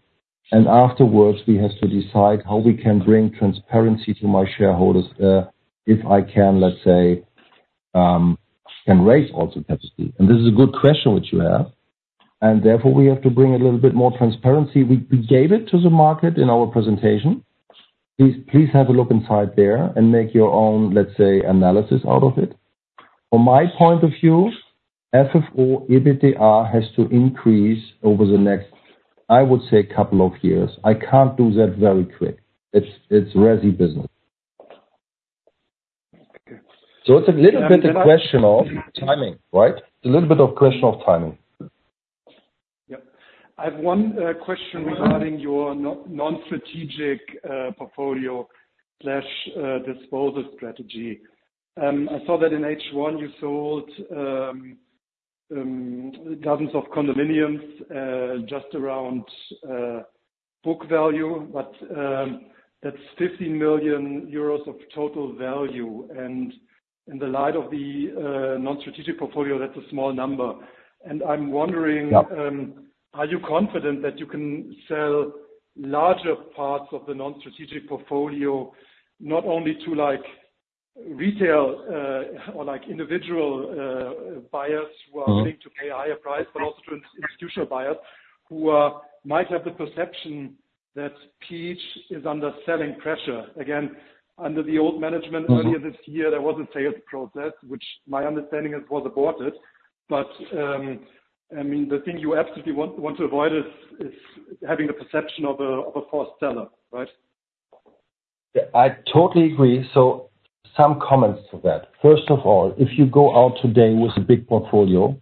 and afterwards, we have to decide how we can bring transparency to my shareholders, if I can, let's say, can raise also CapEx, and this is a good question, which you have, and therefore, we have to bring a little bit more transparency. We gave it to the market in our presentation. Please have a look inside there and make your own, let's say, analysis out of it. From my point of view, FFO, EBITDA, has to increase over the next, I would say, couple of years. I can't do that very quick. It's resi business. So it's a little bit a question of timing, right?... Yep. I have one question regarding your non-strategic portfolio slash disposal strategy. I saw that in H1 you sold dozens of condominiums just around book value, but that's 50 million euros of total value. And in the light of the non-strategic portfolio, that's a small number. And I'm wondering- Yep. Are you confident that you can sell larger parts of the non-strategic portfolio, not only to, like, retail, or, like, individual, buyers who are willing to pay a higher price, but also to institutional buyers who might have the perception that Peach is under selling pressure? Again, under the old management earlier this year, there was a sales process, which my understanding is, was aborted. But, I mean, the thing you absolutely want to avoid is having the perception of a forced seller, right? Yeah, I totally agree. So some comments to that. First of all, if you go out today with a big portfolio,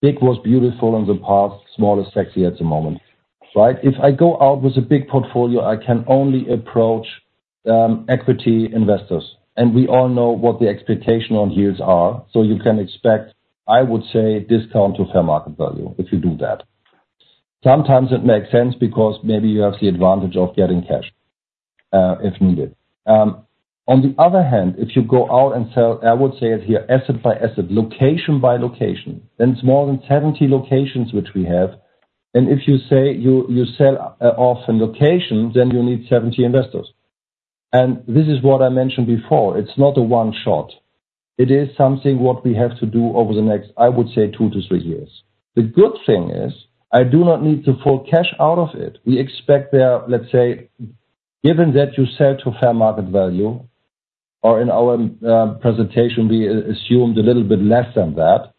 big was beautiful in the past, small is sexy at the moment, right? If I go out with a big portfolio, I can only approach equity investors, and we all know what the expectation on yields are. So you can expect, I would say, discount to fair market value if you do that. Sometimes it makes sense because maybe you have the advantage of getting cash if needed. On the other hand, if you go out and sell, I would say it here, asset by asset, location by location, and it's more than seventy locations which we have. And if you say you sell off a location, then you need seventy investors. And this is what I mentioned before. It's not a one shot. It is something what we have to do over the next, I would say, two to three years. The good thing is, I do not need to pull cash out of it. We expect there, let's say, given that you sell to fair market value, or in our presentation, we assumed a little bit less than that,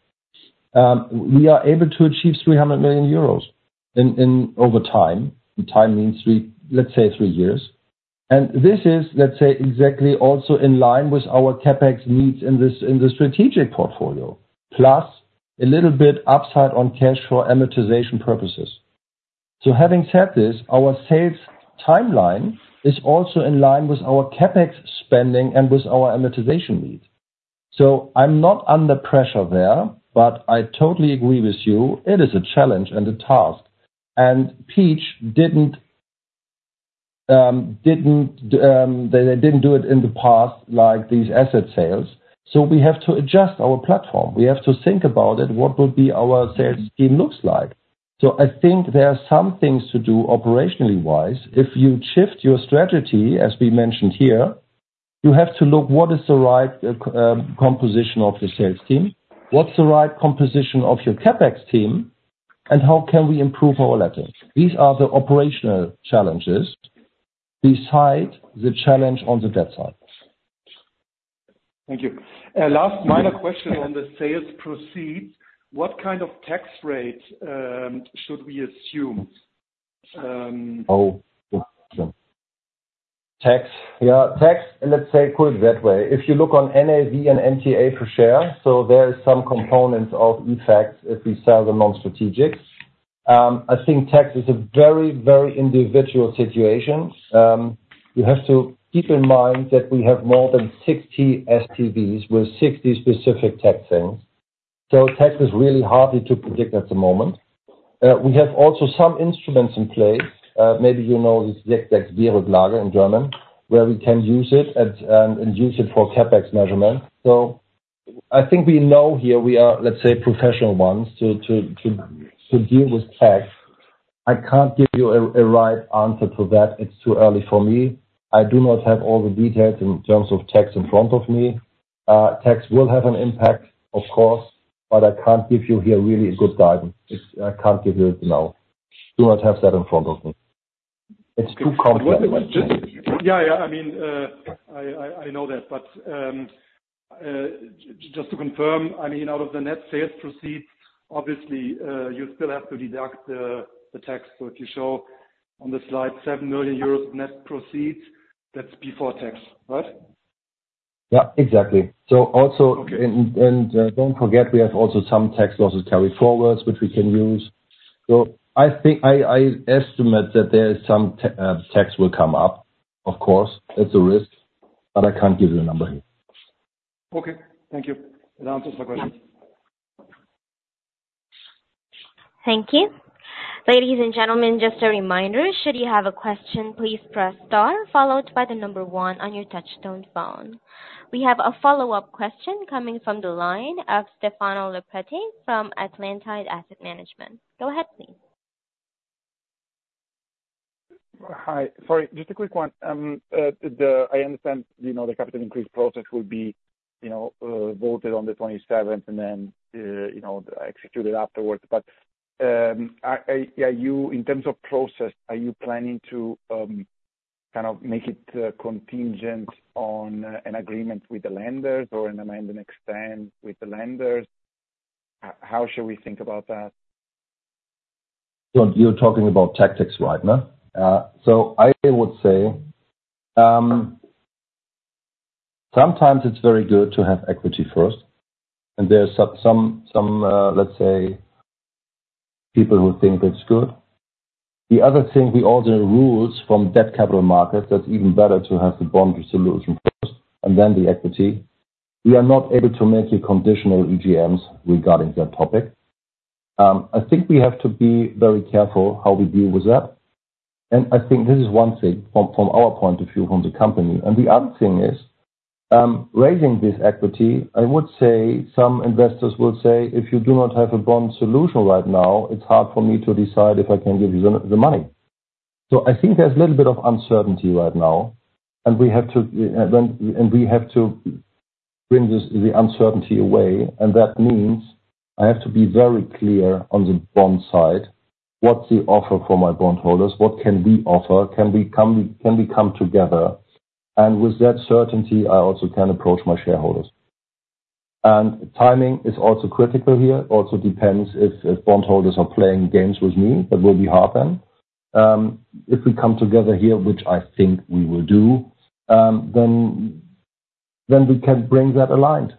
we are able to achieve 300 million euros over time, and time means three, let's say three years. And this is, let's say, exactly also in line with our CapEx needs in this, in the strategic portfolio, plus a little bit upside on cash for amortization purposes. So having said this, our sales timeline is also in line with our CapEx spending and with our amortization needs. So I'm not under pressure there, but I totally agree with you. It is a challenge and a task, and Peach didn't do it in the past, like these asset sales, so we have to adjust our platform. We have to think about it, what would be our sales team looks like. So I think there are some things to do operationally wise. If you shift your strategy, as we mentioned here, you have to look what is the right composition of the sales team? What's the right composition of your CapEx team, and how can we improve our lettings? These are the operational challenges besides the challenge on the debt side. Thank you. Last minor question on the sales proceeds. What kind of tax rate should we assume? Oh, tax. Yeah, tax, and let's say put it that way, if you look on NAV and NTA per share, so there is some component of effects if we sell the non-strategic. I think tax is a very, very individual situation. You have to keep in mind that we have more than 60 SPVs with 60 specific tax things, so tax is really hardly to predict at the moment. We have also some instruments in place. Maybe you know, this in German, where we can use it at, and use it for CapEx measurement. So I think we know here we are, let's say, professional ones to deal with tax. I can't give you a right answer to that. It's too early for me. I do not have all the details in terms of tax in front of me. Tax will have an impact, of course, but I can't give you here really a good guidance. It's. I can't give you it now. Do not have that in front of me. It's too complicated. Yeah, yeah. I mean, I know that, but, just to confirm, I mean, out of the net sales proceeds, obviously, you still have to deduct the tax. So if you show on the slide 7 million euros net proceeds, that's before tax, right? Yeah, exactly. So also- Okay. and don't forget, we have also some tax losses carry forwards, which we can use. So I think I estimate that there is some tax will come up, of course, it's a risk, but I can't give you a number here. Okay. Thank you. That answers my question. Thank you. Ladies and gentlemen, just a reminder, should you have a question, please press star followed by the number one on your touchtone phone. We have a follow-up question coming from the line of Stefano Lopresti from Atlantide Asset Management. Go ahead, please. Hi. Sorry, just a quick one. The - I understand, you know, the capital increase process will be, you know, voted on the 27 and then, you know, executed afterwards. But, are you - in terms of process, are you planning to, kind of make it, contingent on, an agreement with the lenders or an amend and extend with the lenders? How should we think about that? So you're talking about tactics right now? So I would say, sometimes it's very good to have equity first, and there's some, let's say, people who think that's good. The other thing, we all know the rules from debt capital markets, that's even better to have the bond resolution first and then the equity. We are not able to make a conditional EGMs regarding that topic. I think we have to be very careful how we deal with that, and I think this is one thing from our point of view from the company. And the other thing is, raising this equity, I would say some investors will say, "If you do not have a bond solution right now, it's hard for me to decide if I can give you the money." So I think there's a little bit of uncertainty right now, and we have to then and we have to bring this uncertainty away, and that means I have to be very clear on the bond side, what's the offer for my bondholders? What can we offer? Can we come together? And with that certainty, I also can approach my shareholders. And timing is also critical here. Also depends if bondholders are playing games with me, that will be hard then. If we come together here, which I think we will do, then we can bring that aligned.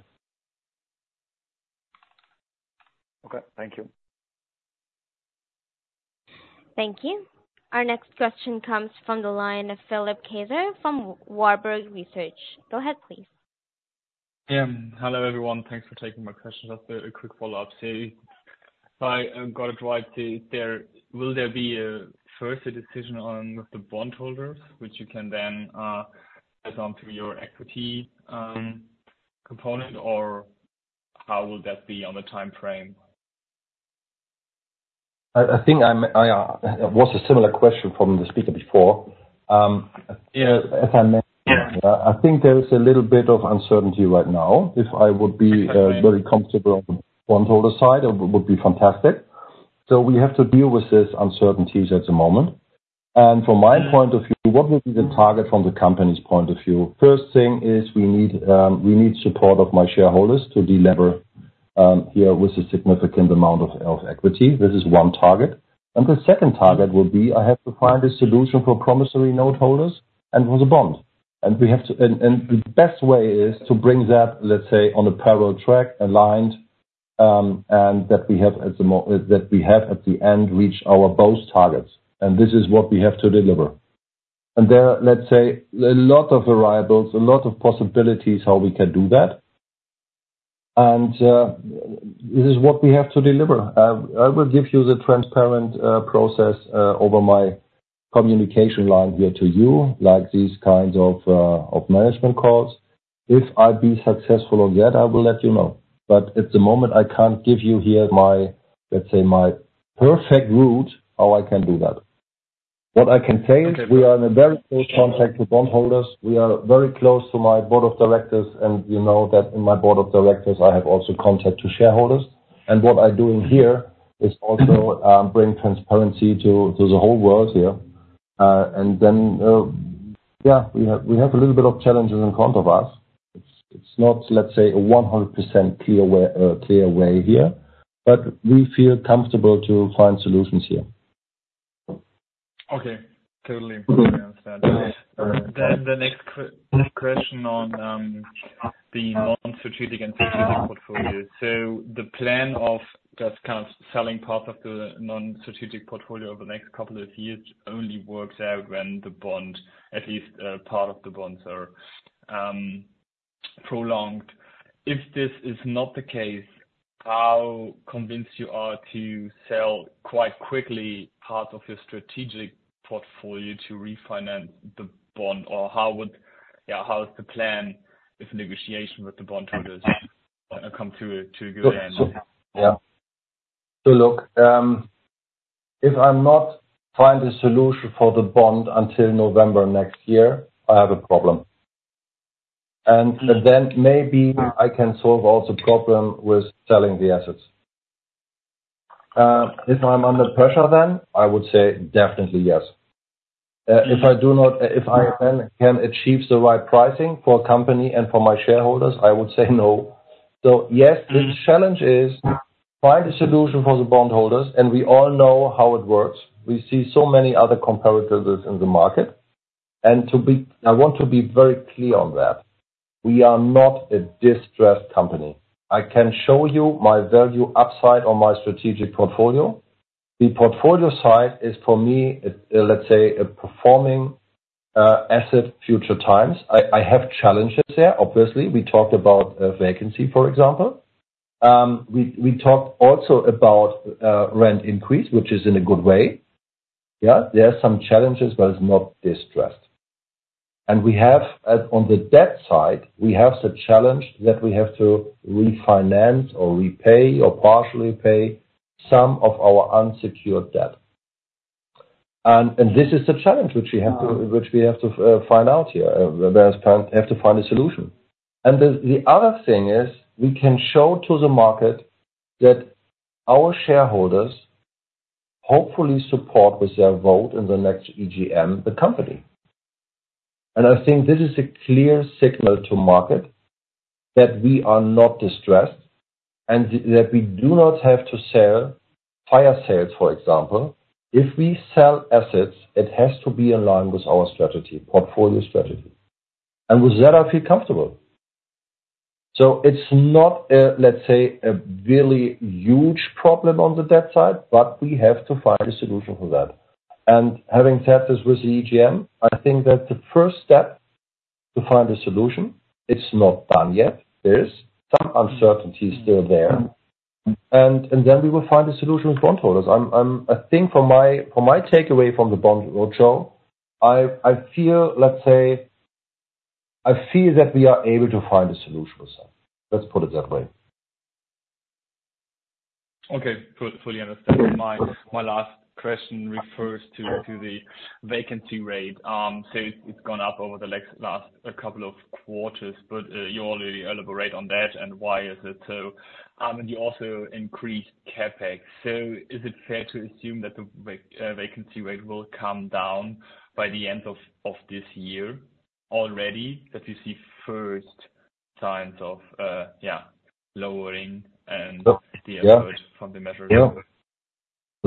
Okay, thank you. Thank you. Our next question comes from the line of Philipp Kaiser from Warburg Research. Go ahead, please. Hello, everyone. Thanks for taking my question. Just a quick follow-up to see if I got it right, is there, will there be a first decision on the bondholders, which you can then pass on to your equity component, or how will that be on the time frame? I think it was a similar question from the speaker before. As I mentioned, I think there is a little bit of uncertainty right now. If I would be very comfortable on the bondholder side, it would be fantastic. So we have to deal with this uncertainties at the moment. And from my point of view, what would be the target from the company's point of view? First thing is we need support of my shareholders to delever here with a significant amount of equity. This is one target. And the second target would be, I have to find a solution for promissory note holders and for the bonds. And we have to, and the best way is to bring that, let's say, on a parallel track, aligned, and that we have at the end, reach our both targets. And this is what we have to deliver. And there, let's say, a lot of arrivals, a lot of possibilities, how we can do that. And this is what we have to deliver. I will give you the transparent process over my communication line here to you, like these kinds of management calls. If I'll be successful or not, I will let you know. But at the moment, I can't give you here my, let's say, my perfect route, how I can do that. What I can say is we are in a very close contact with bondholders. We are very close to my board of directors, and you know that in my board of directors, I have also contact to shareholders. And what I'm doing here is also bring transparency to the whole world here. And then, yeah, we have a little bit of challenges in front of us. It's not, let's say, a one hundred percent clear way here, but we feel comfortable to find solutions here. Okay, totally understand. Then the next question on the non-strategic and strategic portfolio. So the plan of just kind of selling part of the non-strategic portfolio over the next couple of years only works out when the bond, at least, part of the bonds are prolonged. If this is not the case, how convinced you are to sell quite quickly part of your strategic portfolio to refinance the bond? Or how would... Yeah, how is the plan if negotiation with the bondholders don't come to a good end? Yeah. So look, if I'm not find a solution for the bond until November next year, I have a problem. And then maybe I can solve also problem with selling the assets. If I'm under pressure, then I would say definitely yes. If I then can achieve the right pricing for company and for my shareholders, I would say no. So yes, the challenge is find a solution for the bondholders, and we all know how it works. We see so many other comparatives in the market. And I want to be very clear on that. We are not a distressed company. I can show you my value upside on my strategic portfolio. The portfolio side is, for me, let's say, a performing asset future times. I have challenges there. Obviously, we talked about vacancy, for example. We, we talked also about rent increase, which is in a good way. Yeah, there are some challenges, but it's not distressed. And we have on the debt side, we have the challenge that we have to refinance or repay or partially pay some of our unsecured debt. And this is the challenge which we have to find out here, where we have to find a solution. And the other thing is, we can show to the market that our shareholders hopefully support with their vote in the next EGM, the company. And I think this is a clear signal to market that we are not distressed, and that we do not have to sell fire sales, for example. If we sell assets, it has to be in line with our strategy, portfolio strategy. And with that, I feel comfortable. So it's not a, let's say, a really huge problem on the debt side, but we have to find a solution for that. Having said this with the EGM, I think that the first step to find a solution; it's not done yet. There's some uncertainty still there. And then we will find a solution with bondholders. I'm -- I think from my takeaway from the bond roadshow, I feel, let's say, I feel that we are able to find a solution ourselves. Let's put it that way. Okay, fully understand. My last question refers to the vacancy rate. So it's gone up over the last couple of quarters, but you already elaborate on that and why is it so? And you also increased CapEx. So is it fair to assume that the vacancy rate will come down by the end of this year already, that you see first signs of lowering and- Yeah The effort from the measure?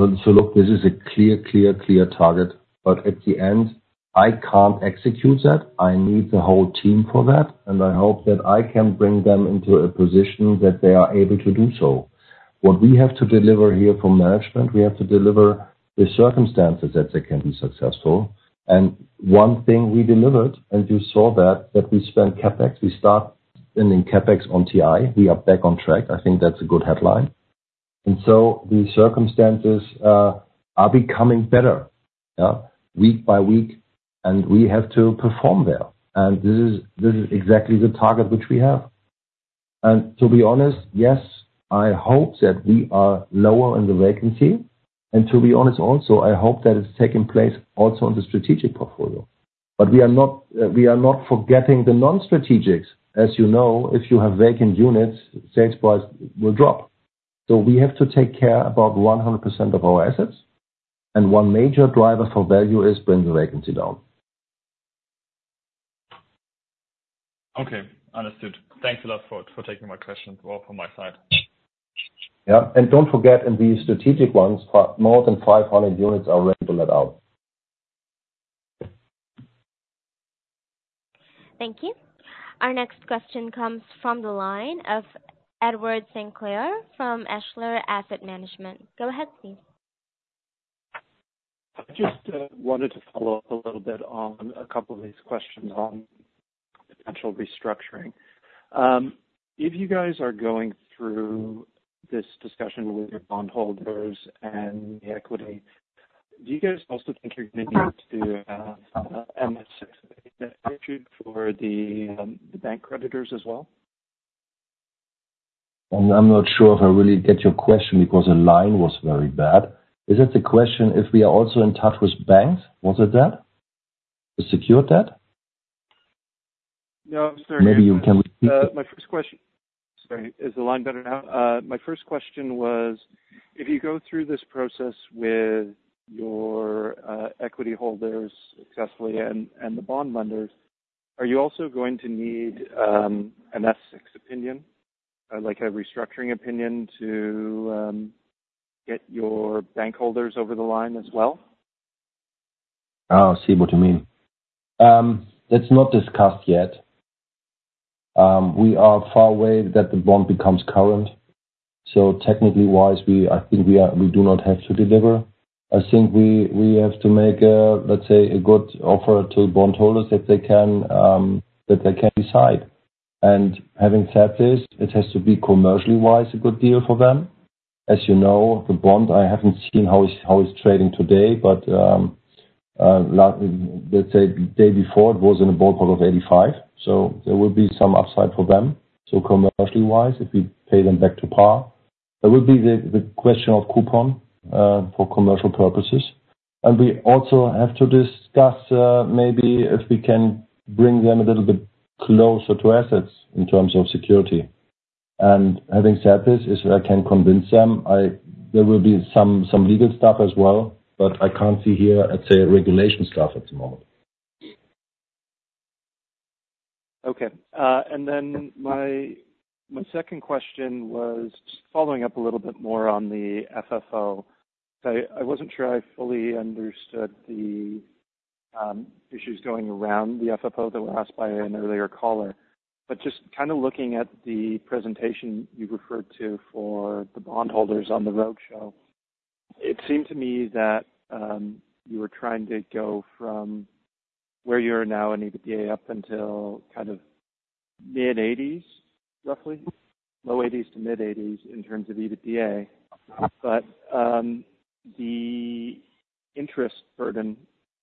Yeah. So, so look, this is a clear, clear, clear target, but at the end, I can't execute that. I need the whole team for that, and I hope that I can bring them into a position that they are able to do so. What we have to deliver here from management, we have to deliver the circumstances that they can be successful. And one thing we delivered, and you saw that, that we spent CapEx. We start spending CapEx on TI. We are back on track. I think that's a good headline. And so the circumstances are becoming better, yeah, week by week, and we have to perform there. And this is, this is exactly the target which we have. And to be honest, yes, I hope that we are lower in the vacancy, and to be honest, also, I hope that it's taking place also on the strategic portfolio. But we are not forgetting the non-strategics. As you know, if you have vacant units, sales price will drop. So we have to take care about 100% of our assets, and one major driver for value is bring the vacancy down. Okay, understood. Thanks a lot for taking my questions all from my side. Yeah. And don't forget, in these strategic ones, more than 500 units are ready to let out. Thank you. Our next question comes from the line of Edward Sinclair from Eschler Asset Management. Go ahead, please. I just wanted to follow up a little bit on a couple of these questions on potential restructuring. If you guys are going through this discussion with your bondholders and the equity, do you guys also think you're going to need to MS6 for the bank creditors as well? I'm not sure if I really get your question because the line was very bad. Is it the question, if we are also in touch with banks, was it that? The secured debt? No, I'm sorry. Maybe you can repeat it. My first question... Sorry, is the line better now? My first question was, if you go through this process with your equity holders successfully and the bond lenders, are you also going to need an S6 opinion, like a restructuring opinion to get your bank holders over the line as well? Oh, I see what you mean. That's not discussed yet. We are far away that the bond becomes current, so technically wise, I think we are, we do not have to deliver. I think we have to make a, let's say, a good offer to bondholders if they can, that they can decide. And having said this, it has to be commercially wise, a good deal for them. As you know, the bond, I haven't seen how it's trading today, but, let's say, day before, it was in a ballpark of 85, so there will be some upside for them. So commercially wise, if we pay them back to par, there will be the question of coupon, for commercial purposes. We also have to discuss maybe if we can bring them a little bit closer to assets in terms of security. Having said this, if I can convince them, there will be some legal stuff as well, but I can't see here, let's say, regulation stuff at the moment. Okay. And then my second question was just following up a little bit more on the FFO. So I wasn't sure I fully understood the issues going around the FFO that were asked by an earlier caller. But just kind of looking at the presentation you referred to for the bondholders on the roadshow, it seemed to me that you were trying to go from where you are now in EBITDA up until kind of mid-eighties, roughly, low eighties to mid-eighties, in terms of EBITDA. But the interest burden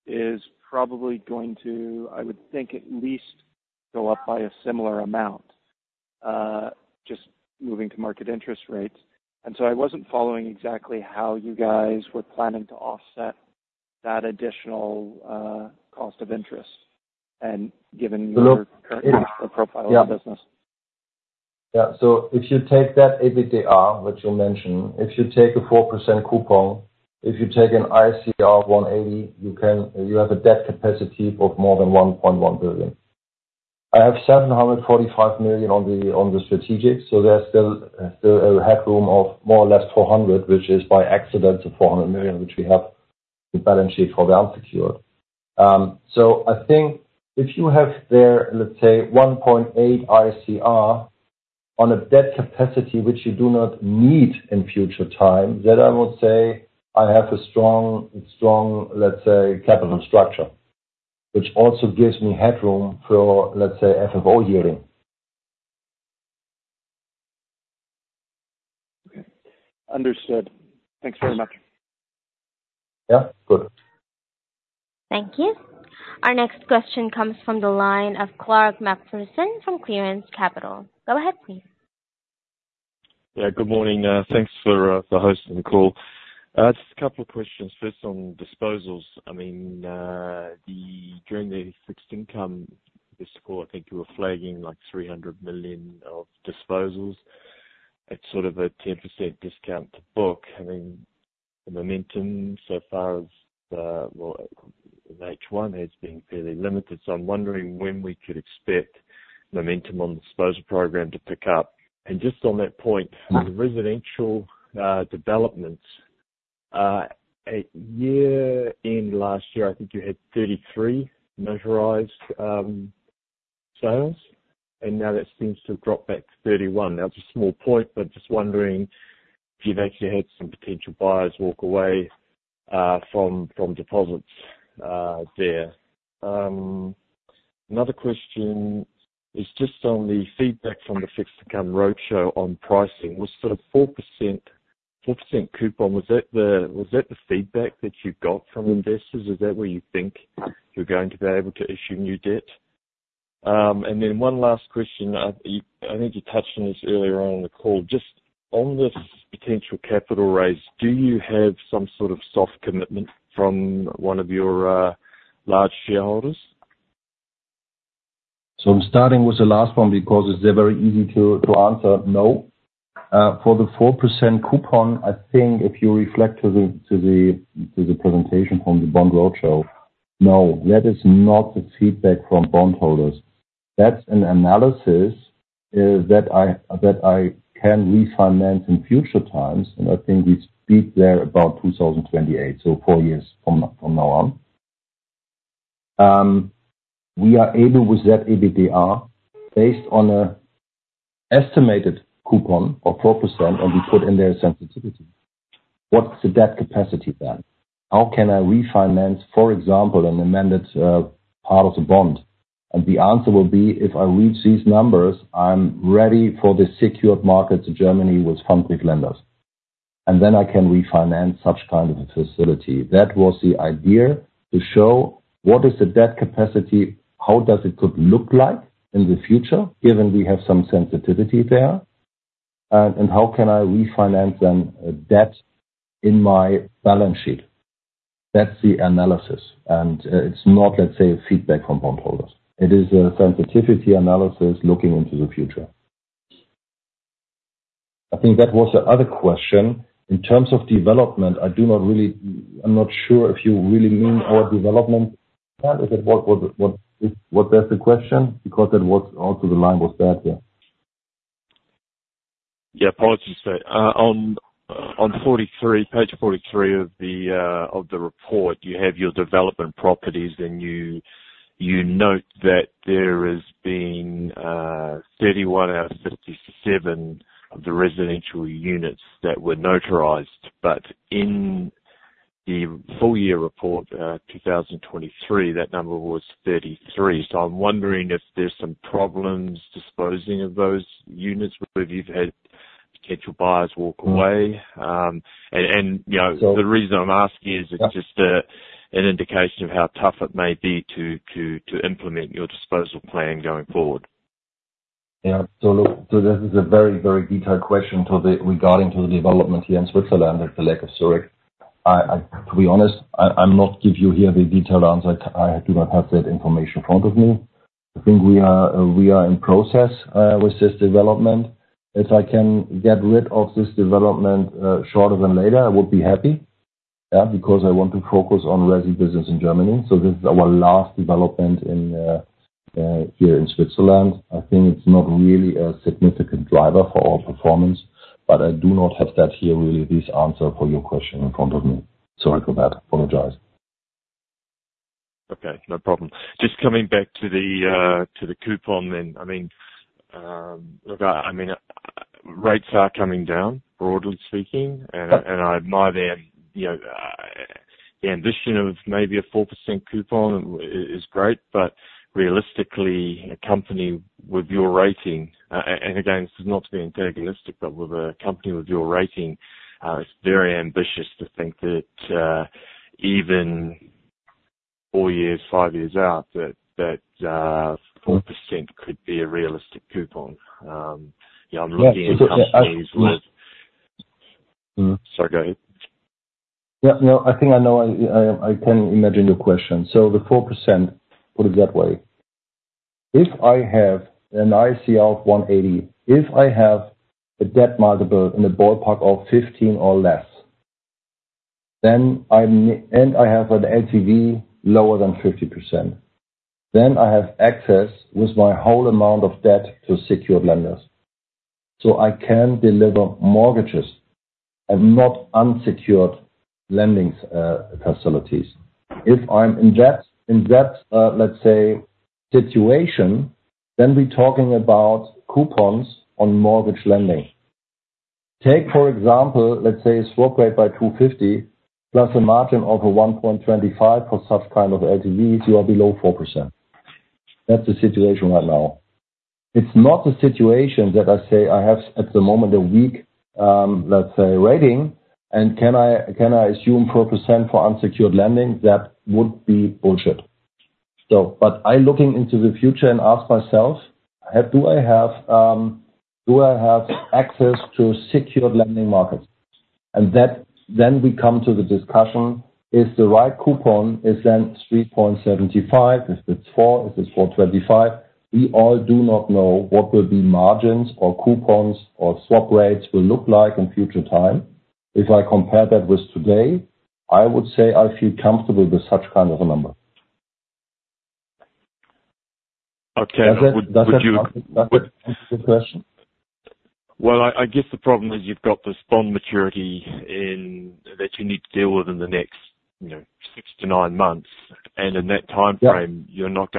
is probably going to, I would think, at least go up by a similar amount just moving to market interest rates. And so I wasn't following exactly how you guys were planning to offset that additional cost of interest and given your current profile of business.... Yeah, so if you take that EBITDA, which you mentioned, if you take a 4% coupon, if you take an ISCR 1.80, you can you have a debt capacity of more than 1.1 billion. I have 745 million on the strategic, so there's still headroom of more or less 400 million, which is by accident, the 400 million, which we have the balance sheet for well secured. So I think if you have there, let's say, 1.8 ISCR on a debt capacity, which you do not need in future time, then I would say I have a strong, strong, let's say, capital structure, which also gives me headroom for, let's say, FFO yielding. Okay. Understood. Thanks very much. Yeah. Good. Thank you. Our next question comes from the line of Clark MacPherson from Clearance Capital. Go ahead, please. Yeah, good morning. Thanks for hosting the call. Just a couple of questions. First, on disposals. I mean, during the fixed income call, I think you were flagging like 300 million of disposals. It's sort of a 10% discount to book. I mean, the momentum so far as, well, in H1 has been fairly limited. So I'm wondering when we could expect momentum on the disposal program to pick up. And just on that point, on residential developments, at year end last year, I think you had 33 notarized sales, and now that seems to have dropped back to 31. Now, it's a small point, but just wondering if you've actually had some potential buyers walk away from deposits there. Another question is just on the feedback from the fixed income roadshow on pricing. Was the 4% coupon the feedback that you got from investors? Is that where you think you're going to be able to issue new debt? And then one last question. I think you touched on this earlier on in the call. Just on this potential capital raise, do you have some sort of soft commitment from one of your large shareholders? I'm starting with the last one because it's very easy to answer, no. For the 4% coupon, I think if you refer to the presentation from the bond roadshow, no, that is not the feedback from bondholders. That's an analysis that I can refinance in future times, and I think we speak there about 2028, so four years from now on. We are able with that ABTR, based on an estimated coupon of 4%, and we put in there sensitivity. What's the debt capacity then? How can I refinance, for example, an amended part of the bond? And the answer will be, if I reach these numbers, I'm ready for the secured market to Germany with public lenders, and then I can refinance such kind of a facility. That was the idea, to show what is the debt capacity, how does it could look like in the future, given we have some sensitivity there, and how can I refinance then a debt in my balance sheet? That's the analysis. And, it's not, let's say, a feedback from bondholders. It is a sensitivity analysis looking into the future. I think that was the other question. In terms of development, I do not really... I'm not sure if you really mean our development. Part of it, what was that the question? Because that was also the line was there, yeah. Yeah, apologies there. On page forty-three of the report, you have your development properties, and you note that there has been 31 out of 67 of the residential units that were notarized. But in the full year report, 2023, that number was thirty-three. So I'm wondering if there's some problems disposing of those units, whether you've had potential buyers walk away? And, you know, the reason I'm asking is it's just an indication of how tough it may be to implement your disposal plan going forward. Yeah. So this is a very, very detailed question regarding the development here in Switzerland, at the Lake Zurich. To be honest, I'll not give you here the detailed answer. I do not have that information in front of me. I think we are in process with this development. If I can get rid of this development sooner than later, I would be happy, because I want to focus on resi business in Germany. So this is our last development here in Switzerland. I think it's not really a significant driver for our performance, but I do not have that here, really, this answer for your question in front of me. Sorry for that. Apologize. Okay, no problem. Just coming back to the coupon then. I mean, look, I mean, rates are coming down, broadly speaking. Yeah. I admire them, you know, the ambition of maybe a 4% coupon is great, but realistically, a company with your rating, and again, this is not being antagonistic, but with a company with your rating, it's very ambitious to think that even four years, five years out, that 4% could be a realistic coupon. You know, I'm looking at companies with-... Mm-hmm. Sorry, go ahead. Yeah, no, I think I know. I can imagine your question. So the 4%, put it that way. If I have an ISCR of 180, if I have a debt multiple in the ballpark of 15 or less, then, and I have an LTV lower than 50%, then I have access with my whole amount of debt to secured lenders. So I can deliver mortgages and not unsecured lending facilities. If I'm in that, let's say, situation, then we're talking about coupons on mortgage lending. Take, for example, let's say, a swap rate plus 250, plus a margin of 1.25% for such kind of LTVs, you are below 4%. That's the situation right now. It's not the situation that I say I have, at the moment, a weak, let's say, rating, and can I assume 4% for unsecured lending? That would be bullshit. But I looking into the future and ask myself: do I have access to secured lending markets? And that, then we come to the discussion, is the right coupon, is then 3.75, if it's 4, if it's 4.25. We all do not know what will be margins or coupons or swap rates will look like in future time. If I compare that with today, I would say I feel comfortable with such kind of a number. Okay. Would you- Does that answer the question? I guess the problem is you've got this bond maturity in... that you need to deal with in the next, you know, six to nine months. And in that timeframe- Yeah. You're not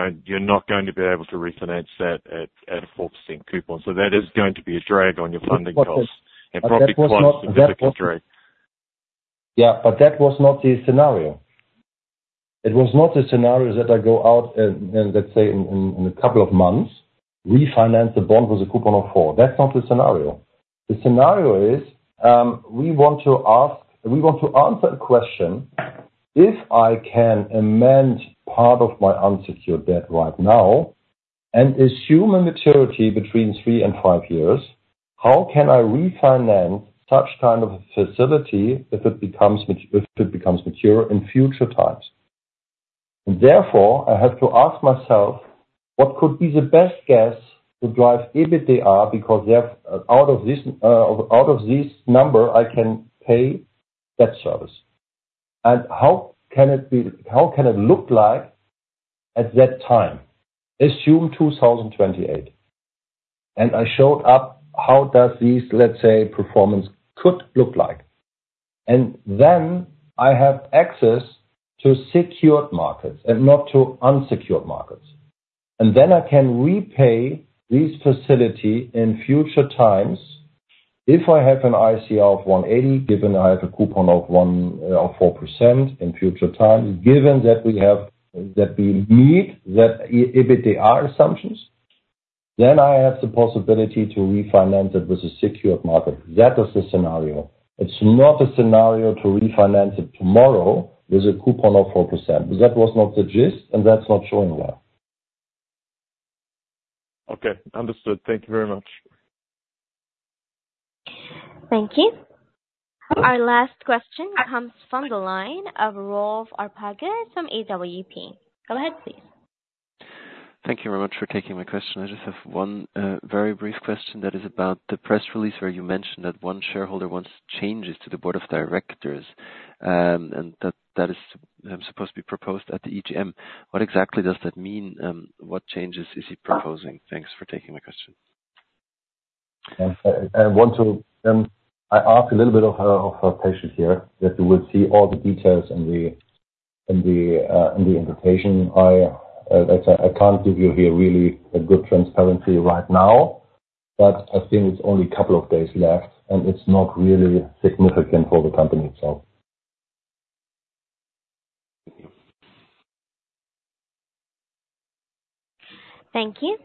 going to be able to refinance that at a 4% coupon. So that is going to be a drag on your funding costs. But that was not- Probably quite a significant drag. Yeah, but that was not the scenario. It was not a scenario that I go out and let's say in a couple of months, refinance the bond with a coupon of four. That's not the scenario. The scenario is, we want to ask. We want to answer a question, if I can amend part of my unsecured debt right now, and assume a maturity between three and five years, how can I refinance such kind of a facility if it becomes mature in future times? And therefore, I have to ask myself, what could be the best guess to drive EBITDA, because they have out of this number, I can pay that service. And how can it look like at that time? Assume 2028, and I showed up. How does this, let's say, performance could look like? And then I have access to secured markets and not to unsecured markets, and then I can repay this facility in future times. If I have an ISCR of 1.80, given I have a coupon of 4% in future time, given that we need that EBITDA assumptions, then I have the possibility to refinance it with a secured market. That is the scenario. It's not a scenario to refinance it tomorrow with a coupon of 4%. That was not the gist, and that's not showing well. Okay, understood. Thank you very much. Thank you. Our last question comes from the line of Rolf Arpagaus from AWP. Go ahead, please. Thank you very much for taking my question. I just have one very brief question that is about the press release, where you mentioned that one shareholder wants changes to the board of directors, and that is supposed to be proposed at the EGM. What exactly does that mean? What changes is he proposing? Thanks for taking my question. I want to ask a little bit of her patience here, that you will see all the details in the invitation. Like I say, I can't give you here really a good transparency right now, but I think it's only a couple of days left, and it's not really significant for the company, so. Thank you.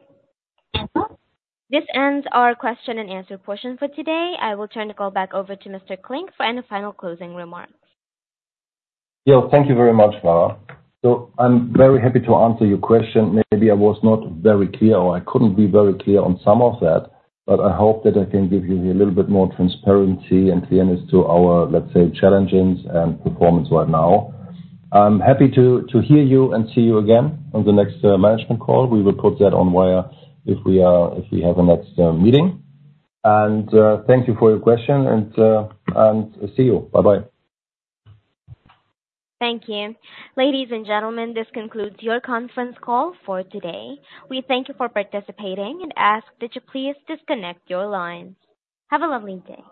This ends our question and answer portion for today. I will turn the call back over to Mr. Klinck for any final closing remarks. Yeah, thank you very much, Mara. So I'm very happy to answer your question. Maybe I was not very clear, or I couldn't be very clear on some of that, but I hope that I can give you a little bit more transparency and clearness to our, let's say, challenges and performance right now. I'm happy to hear you and see you again on the next management call. We will put that on where, if we are, if we have a next meeting. And thank you for your question, and see you. Bye-bye. Thank you. Ladies and gentlemen, this concludes your conference call for today. We thank you for participating and ask that you please disconnect your lines. Have a lovely day.